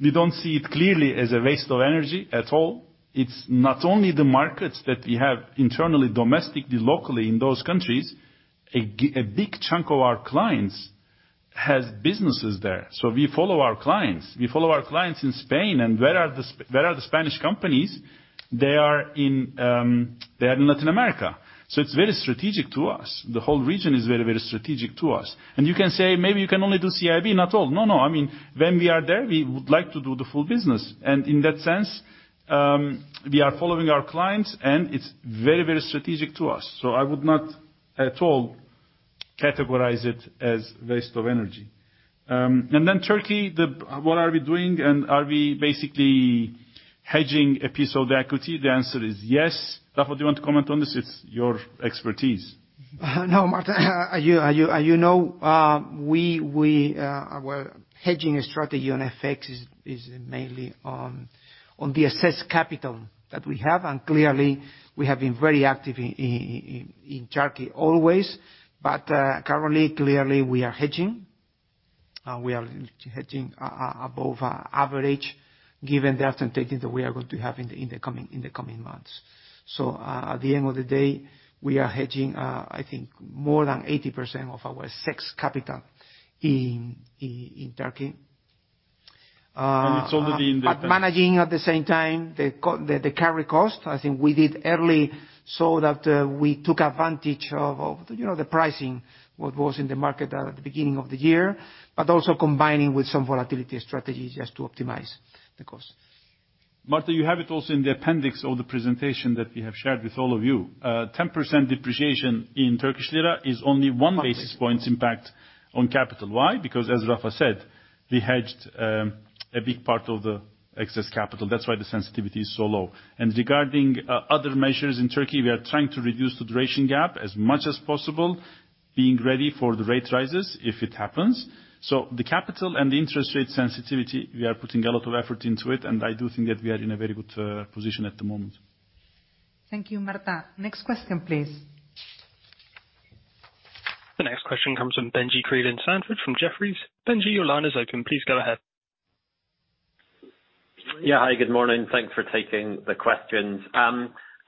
We don't see it clearly as a waste of energy at all. It's not only the markets that we have internally, domestically, locally in those countries. A big chunk of our clients has businesses there. We follow our clients. We follow our clients in Spain and where are the Spanish companies? They are in Latin America. It's very strategic to us. The whole region is very, very strategic to us. You can say, maybe you can only do CIB. Not all. No, no. I mean, when we are there, we would like to do the full business. In that sense, we are following our clients, and it's very, very strategic to us. I would not at all categorize it as waste of energy. Then Turkey, what are we doing and are we basically hedging a piece of the equity? The answer is yes. Rafa, do you want to comment on this? It's your expertise. No, Marta. As you know, we our hedging strategy on FX is mainly on the excess capital that we have. Clearly, we have been very active in Turkey always. Currently, clearly, we are hedging. We are hedging above average given the authentication that we are going to have in the coming months. At the end of the day, we are hedging, I think more than 80% of our excess capital in Turkey. It's only. Managing at the same time the carry cost, I think we did early so that we took advantage of, you know, the pricing, what was in the market at the beginning of the year, but also combining with some volatility strategies just to optimize the cost. Marta, you have it also in the appendix of the presentation that we have shared with all of you. 10% depreciation in Turkish lira is only 1 basis points impact on capital. Why? Because as Rafa said, we hedged a big part of the excess capital. That's why the sensitivity is so low. Regarding other measures in Turkey, we are trying to reduce the duration gap as much as possible, being ready for the rate rises if it happens. The capital and the interest rate sensitivity, we are putting a lot of effort into it, and I do think that we are in a very good position at the moment. Thank you, Marta. Next question, please. The next question comes from Benjie Creelan-Sandford from Jefferies. Benjie, your line is open. Please go ahead. Yeah. Hi, good morning. Thanks for taking the questions.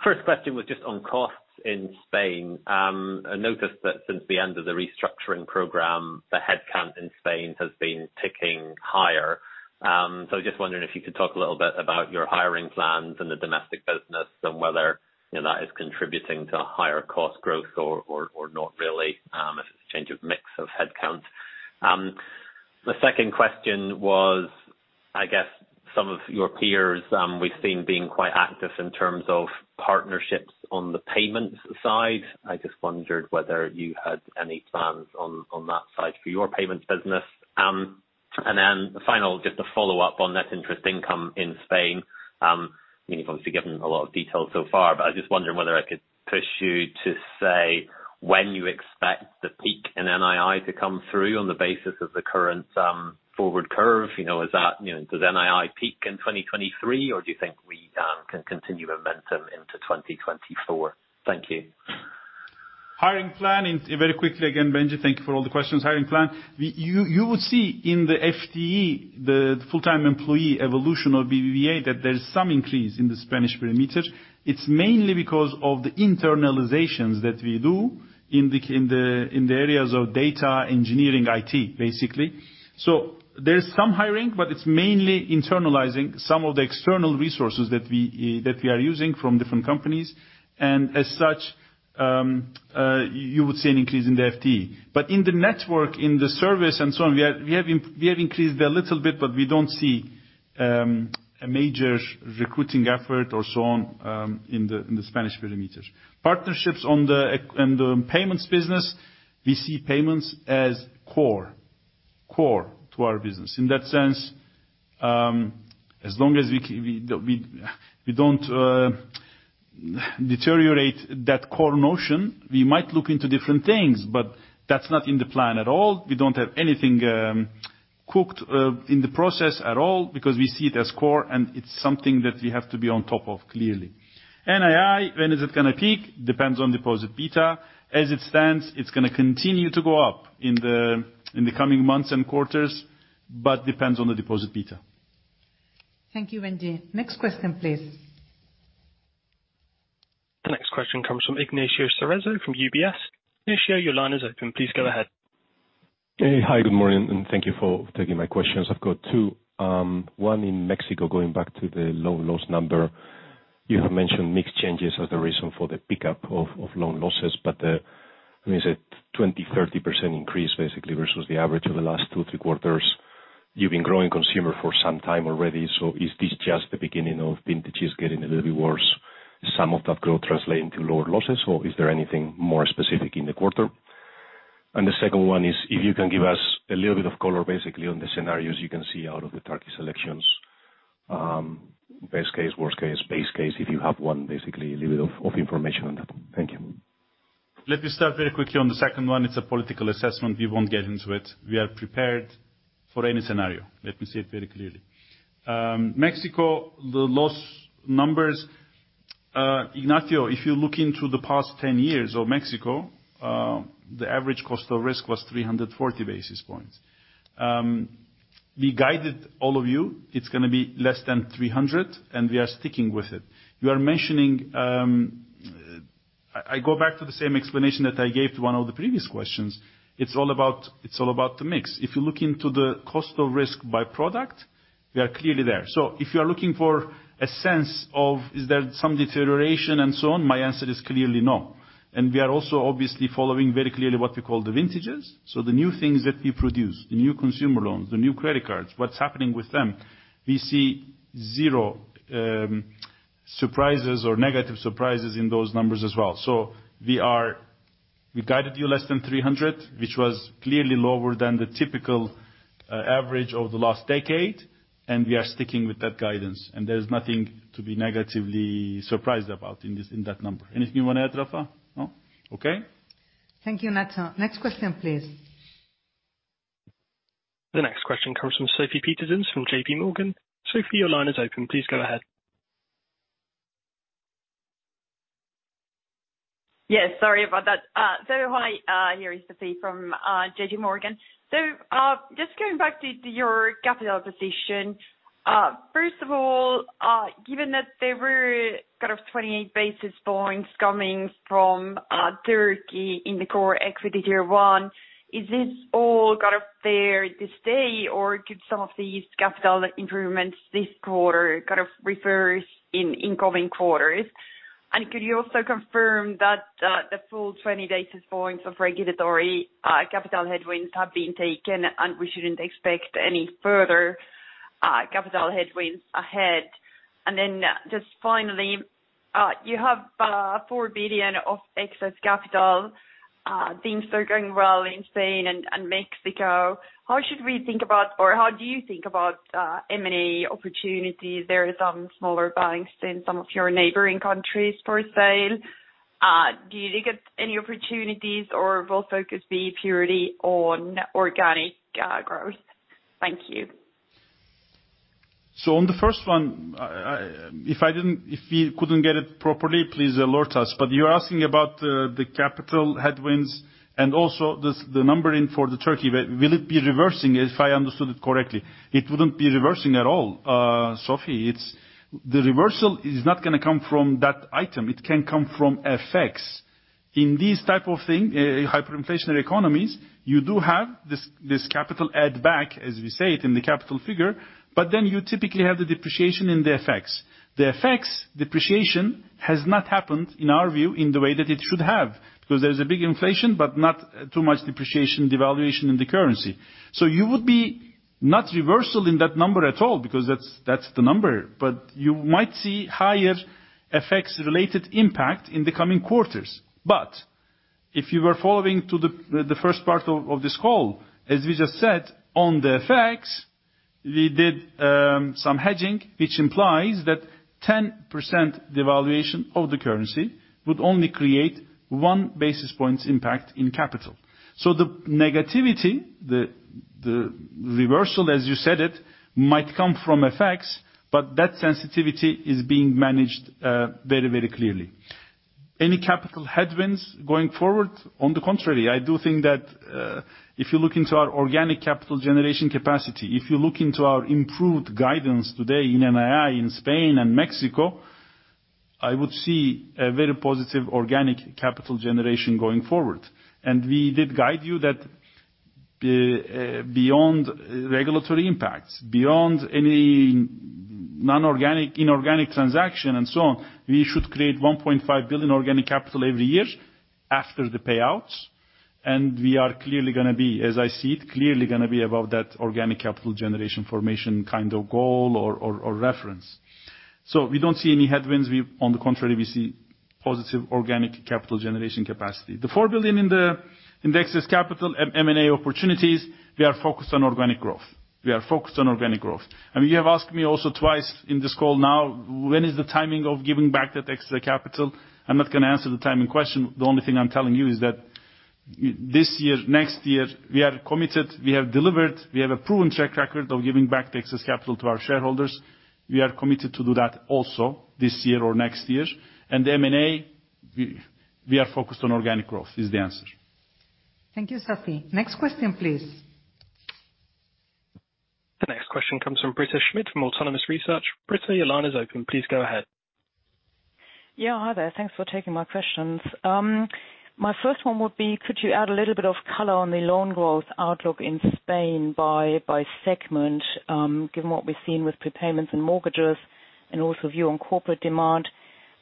First question was just on costs in Spain. I noticed that since the end of the restructuring program, the headcount in Spain has been ticking higher. Just wondering if you could talk a little bit about your hiring plans in the domestic business and whether, you know, that is contributing to higher cost growth or not really, if it's a change of mix of headcount. The second question was, I guess some of your peers, we've seen being quite active in terms of partnerships on the payments side. I just wondered whether you had any plans on that side for your payments business. The final, just a follow-up on net interest income in Spain. You've obviously given a lot of detail so far, but I was just wondering whether I could push you to say when you expect the peak in NII to come through on the basis of the current forward curve. You know, is that, you know, does NII peak in 2023, or do you think we can continue momentum into 2024? Thank you. Hiring plan. Very quickly again, Benjie, thank you for all the questions. Hiring plan. You would see in the FTE, the full-time employee evolution of BBVA, that there's some increase in the Spanish perimeter. It's mainly because of the internalizations that we do in the areas of data engineering IT, basically. There's some hiring, but it's mainly internalizing some of the external resources that we that we are using from different companies. As such, you would see an increase in the FTE. In the network, in the service and so on, we have increased a little bit, but we don't see a major recruiting effort or so on in the Spanish perimeters. Partnerships in the payments business, we see payments as core to our business. In that sense, as long as we don't deteriorate that core notion, we might look into different things, but that's not in the plan at all. We don't have anything cooked in the process at all because we see it as core, and it's something that we have to be on top of, clearly. NII, when is it gonna peak? Depends on deposit beta. As it stands, it's gonna continue to go up in the, in the coming months and quarters, but depends on the deposit beta. Thank you, Benjie. Next question, please. The next question comes from Ignacio Cerezo from UBS. Ignacio, your line is open. Please go ahead. Hey. Hi, good morning, and thank you for taking my questions. I've got two. One in Mexico, going back to the low loss number. You have mentioned mixed changes as the reason for the pickup of loan losses. I mean, is it a 20%, 30% increase basically versus the average of the last two, three quarters? You've been growing consumer for some time already, so is this just the beginning of vintages getting a little bit worse, some of that growth translating to lower losses, or is there anything more specific in the quarter? The second one is if you can give us a little bit of color basically on the scenarios you can see out of the Turkey elections, best case, worst case, base case, if you have one, basically a little bit of information on that. Thank you. Let me start very quickly on the second one. It's a political assessment. We won't get into it. We are prepared for any scenario. Let me say it very clearly. Mexico, the loss numbers, Ignacio, if you look into the past 10 years of Mexico, the average cost of risk was 340 basis points. We guided all of you it's gonna be less than 300, and we are sticking with it. You are mentioning, I go back to the same explanation that I gave to one of the previous questions. It's all about the mix. If you look into the cost of risk by product, we are clearly there. If you are looking for a sense of is there some deterioration and so on, my answer is clearly no. We are also obviously following very clearly what we call the vintages, so the new things that we produce, the new consumer loans, the new credit cards, what's happening with them. We see zero surprises or negative surprises in those numbers as well. We guided you less than 300, which was clearly lower than the typical average over the last decade, and we are sticking with that guidance. There's nothing to be negatively surprised about in this, in that number. Anything you wanna add, Rafa? No. Okay. Thank you, Ignacio. Next question, please. The next question comes from Sofie Peterzens from JPMorgan. Sofie, your line is open. Please go ahead. Yes, sorry about that. Hi, here is Sofie Peterzens from JPMorgan. Just going back to your capital position, first of all, given that there were kind of 28 basis points coming from Turkey in the CET1, is this all kind of there to stay, or could some of these capital improvements this quarter kind of reverse in incoming quarters? Could you also confirm that the full 20 basis points of regulatory capital headwinds have been taken and we shouldn't expect any further capital headwinds ahead? Just finally, you have 4 billion of excess capital. Things are going well in Spain and Mexico. How should we think about or how do you think about M&A opportunities? There are some smaller banks in some of your neighboring countries for sale. Do you look at any opportunities or will focus be purely on organic growth? Thank you. On the first one, if we couldn't get it properly, please alert us. You're asking about the capital headwinds and also the number in for Turkey. Will it be reversing, if I understood it correctly? It wouldn't be reversing at all, Sofie. The reversal is not going to come from that item. It can come from FX. In these type of thing, hyperinflationary economies, you do have this capital add back, as we say it, in the capital figure. You typically have the depreciation in the FX. The FX depreciation has not happened, in our view, in the way that it should have, because there's a big inflation, but not too much depreciation, devaluation in the currency. You would be not reversal in that number at all because that's the number, but you might see higher FX-related impact in the coming quarters. If you were following to the first part of this call, as we just said, on the effects, we did some hedging, which implies that 10% devaluation of the currency would only create 1 basis points impact in capital. The negativity, the reversal, as you said it, might come from effects, but that sensitivity is being managed very, very clearly. Any capital headwinds going forward, on the contrary, I do think that if you look into our organic capital generation capacity, if you look into our improved guidance today in NII, in Spain and Mexico, I would see a very positive organic capital generation going forward. We did guide you that, beyond regulatory impacts, beyond any non-organic, inorganic transaction and so on, we should create 1.5 billion organic capital every year after the payouts. We are clearly gonna be, as I see it, clearly gonna be above that organic capital generation formation kind of goal or reference. We don't see any headwinds. We, on the contrary, see positive organic capital generation capacity. The 4 billion in the indexes capital M&A opportunities, we are focused on organic growth. We are focused on organic growth. You have asked me also twice in this call now, when is the timing of giving back that extra capital? I'm not gonna answer the timing question. The only thing I'm telling you is that this year, next year, we are committed, we have delivered, we have a proven track record of giving back the excess capital to our shareholders. We are committed to do that also this year or next year. The M&A, we are focused on organic growth is the answer. Thank you, Sofie. Next question, please. The next question comes from Britta Schmidt from Autonomous Research. Britta, your line is open. Please go ahead. Yeah. Hi there. Thanks for taking my questions. My first one would be, could you add a little bit of color on the loan growth outlook in Spain by segment, given what we've seen with prepayments and mortgages and also view on corporate demand?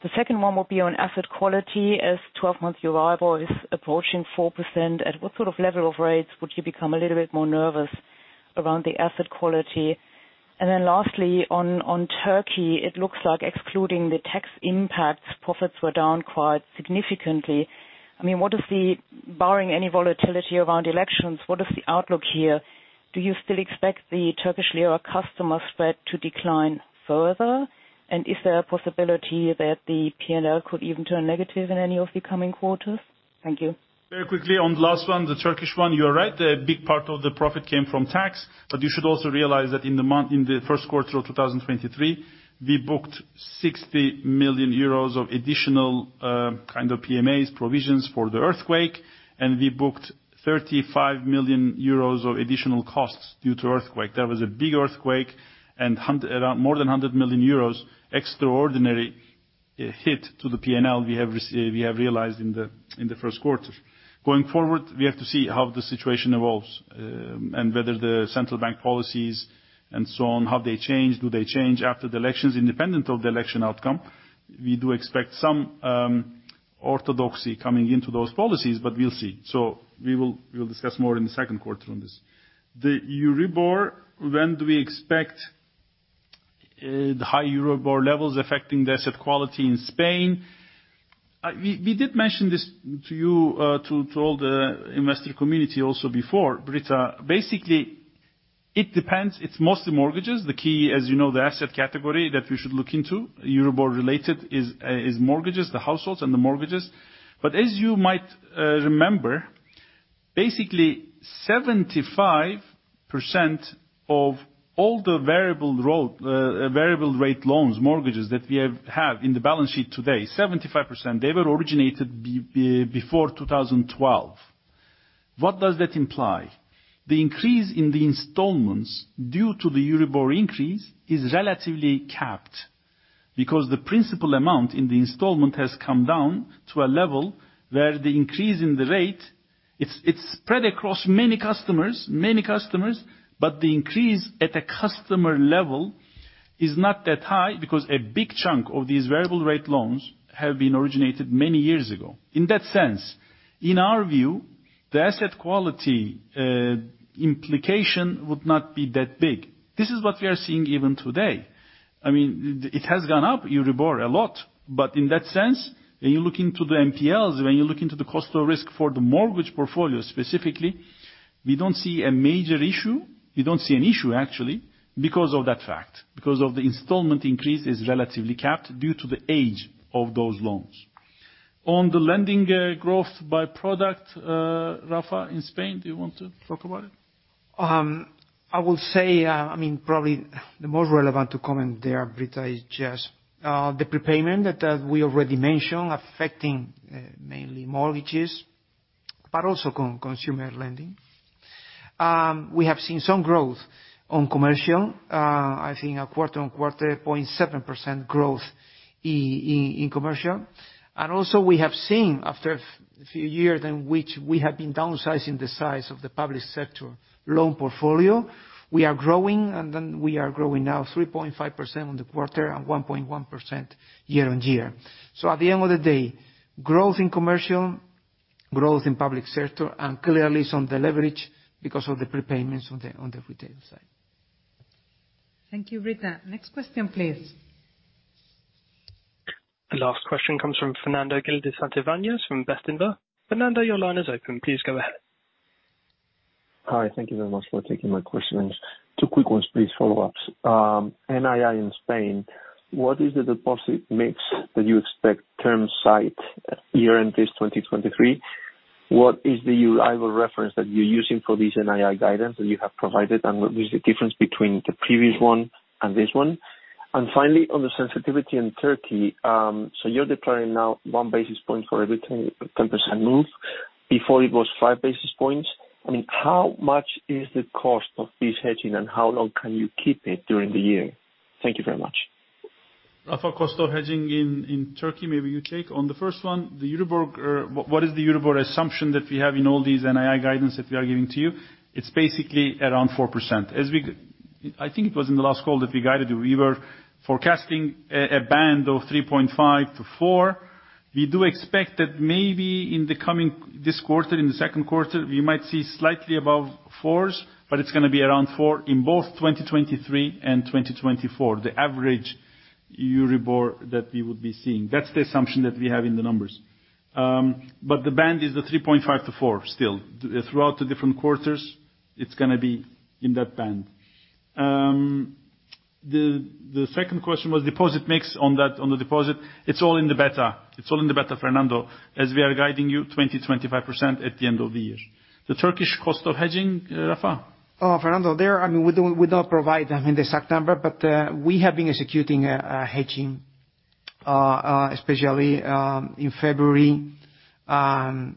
The second one would be on asset quality. As 12-month Euribor is approaching 4%, at what sort of level of rates would you become a little bit more nervous around the asset quality? Lastly, on Turkey, it looks like excluding the tax impacts, profits were down quite significantly. I mean, barring any volatility around elections, what is the outlook here? Do you still expect the Turkish lira customer spread to decline further? Is there a possibility that the P&L could even turn negative in any of the coming quarters? Thank you. Very quickly on the last one, the Turkish one, you are right. A big part of the profit came from tax. You should also realize that in the first quarter of 2023, we booked 60 million euros of additional kind of PMAs, provisions for the earthquake, and we booked 35 million euros of additional costs due to earthquake. That was a big earthquake and around more than 100 million euros extraordinary hit to the P&L we have realized in the first quarter. Going forward, we have to see how the situation evolves, and whether the central bank policies and so on, how they change, do they change after the elections, independent of the election outcome. We do expect some orthodoxy coming into those policies, but we'll see. We'll discuss more in the second quarter on this. The Euribor, when do we expect the high Euribor levels affecting the asset quality in Spain? We did mention this to you to all the investor community also before, Britta. Basically, it depends. It's mostly mortgages. The key, as you know, the asset category that we should look into, Euribor-related, is mortgages, the households and the mortgages. As you might remember, basically 75% of all the variable rate loans, mortgages that we have in the balance sheet today, 75%, they were originated before 2012. What does that imply? The increase in the installments due to the Euribor increase is relatively capped because the principal amount in the installment has come down to a level where the increase in the rate, it's spread across many customers, the increase at a customer level is not that high because a big chunk of these variable rate loans have been originated many years ago. In that sense, in our view, the asset quality implication would not be that big. This is what we are seeing even today. I mean, it has gone up, Euribor, a lot. In that sense, when you look into the NPLs, when you look into the cost of risk for the mortgage portfolio specifically, we don't see a major issue. We don't see an issue actually, because of that fact, because of the installment increase is relatively capped due to the age of those loans. On the lending, growth by product, Rafa, in Spain, do you want to talk about it? I will say, probably the most relevant to comment there, Britta, is just the prepayment that we already mentioned affecting mainly mortgages, but also consumer lending. We have seen some growth on commercial, I think a quarter-on-quarter 0.7% growth in commercial. We have seen after few years in which we have been downsizing the size of the public sector loan portfolio, we are growing, and then we are growing now 3.5% on the quarter and 1.1% year-on-year. At the end of the day, growth in commercial, growth in public sector and clearly some deleverage because of the prepayments on the retail side. Thank you, Britta. Next question, please. The last question comes from Fernando Gil de Santivanes from Bestinver. Fernando, your line is open. Please go ahead. Hi, thank you very much for taking my questions. Two quick ones, please, follow-ups. NII in Spain, what is the deposit mix that you expect term site year-end base 2023? What is the Euribor reference that you're using for this NII guidance that you have provided, and what is the difference between the previous one and this one? Finally, on the sensitivity in Turkey, so you're deploying now 1 basis point for every 10% move. Before it was 5 basis points. I mean, how much is the cost of this hedging, and how long can you keep it during the year? Thank you very much. Rafael, cost of hedging in Turkey, maybe you take. The first one, what is the Euribor assumption that we have in all these NII guidance that we are giving to you? It's basically around 4%. I think it was in the last call that we guided you, we were forecasting a band of 3.5 to four. We do expect that maybe in this quarter, in the second quarter, we might see slightly above fours, but it's gonna be around four in both 2023 and 2024, the average Euribor that we would be seeing. That's the assumption that we have in the numbers. The band is the 3.5 to four still. Throughout the different quarters, it's gonna be in that band. The second question was deposit mix. On that, on the deposit, it's all in the beta. It's all in the beta, Fernando, as we are guiding you 20%-25% at the end of the year. The Turkish cost of hedging, Rafael? Oh, Fernando, there, I mean, we don't, we don't provide the exact number, but we have been executing a hedging especially in February and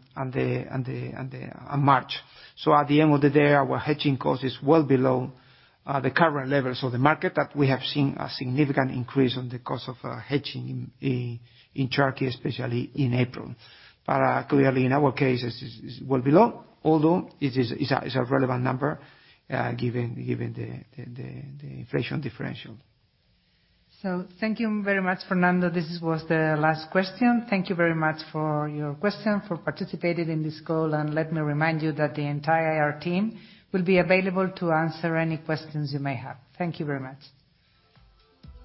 March. At the end of the day, our hedging cost is well below the current levels of the market that we have seen a significant increase on the cost of hedging in Turkey, especially in April. Clearly, in our case, it's well below, although it is a relevant number given the inflation differential. Thank you very much, Fernando. This was the last question. Thank you very much for your question, for participating in this call, and let me remind you that the entire IR team will be available to answer any questions you may have. Thank you very much.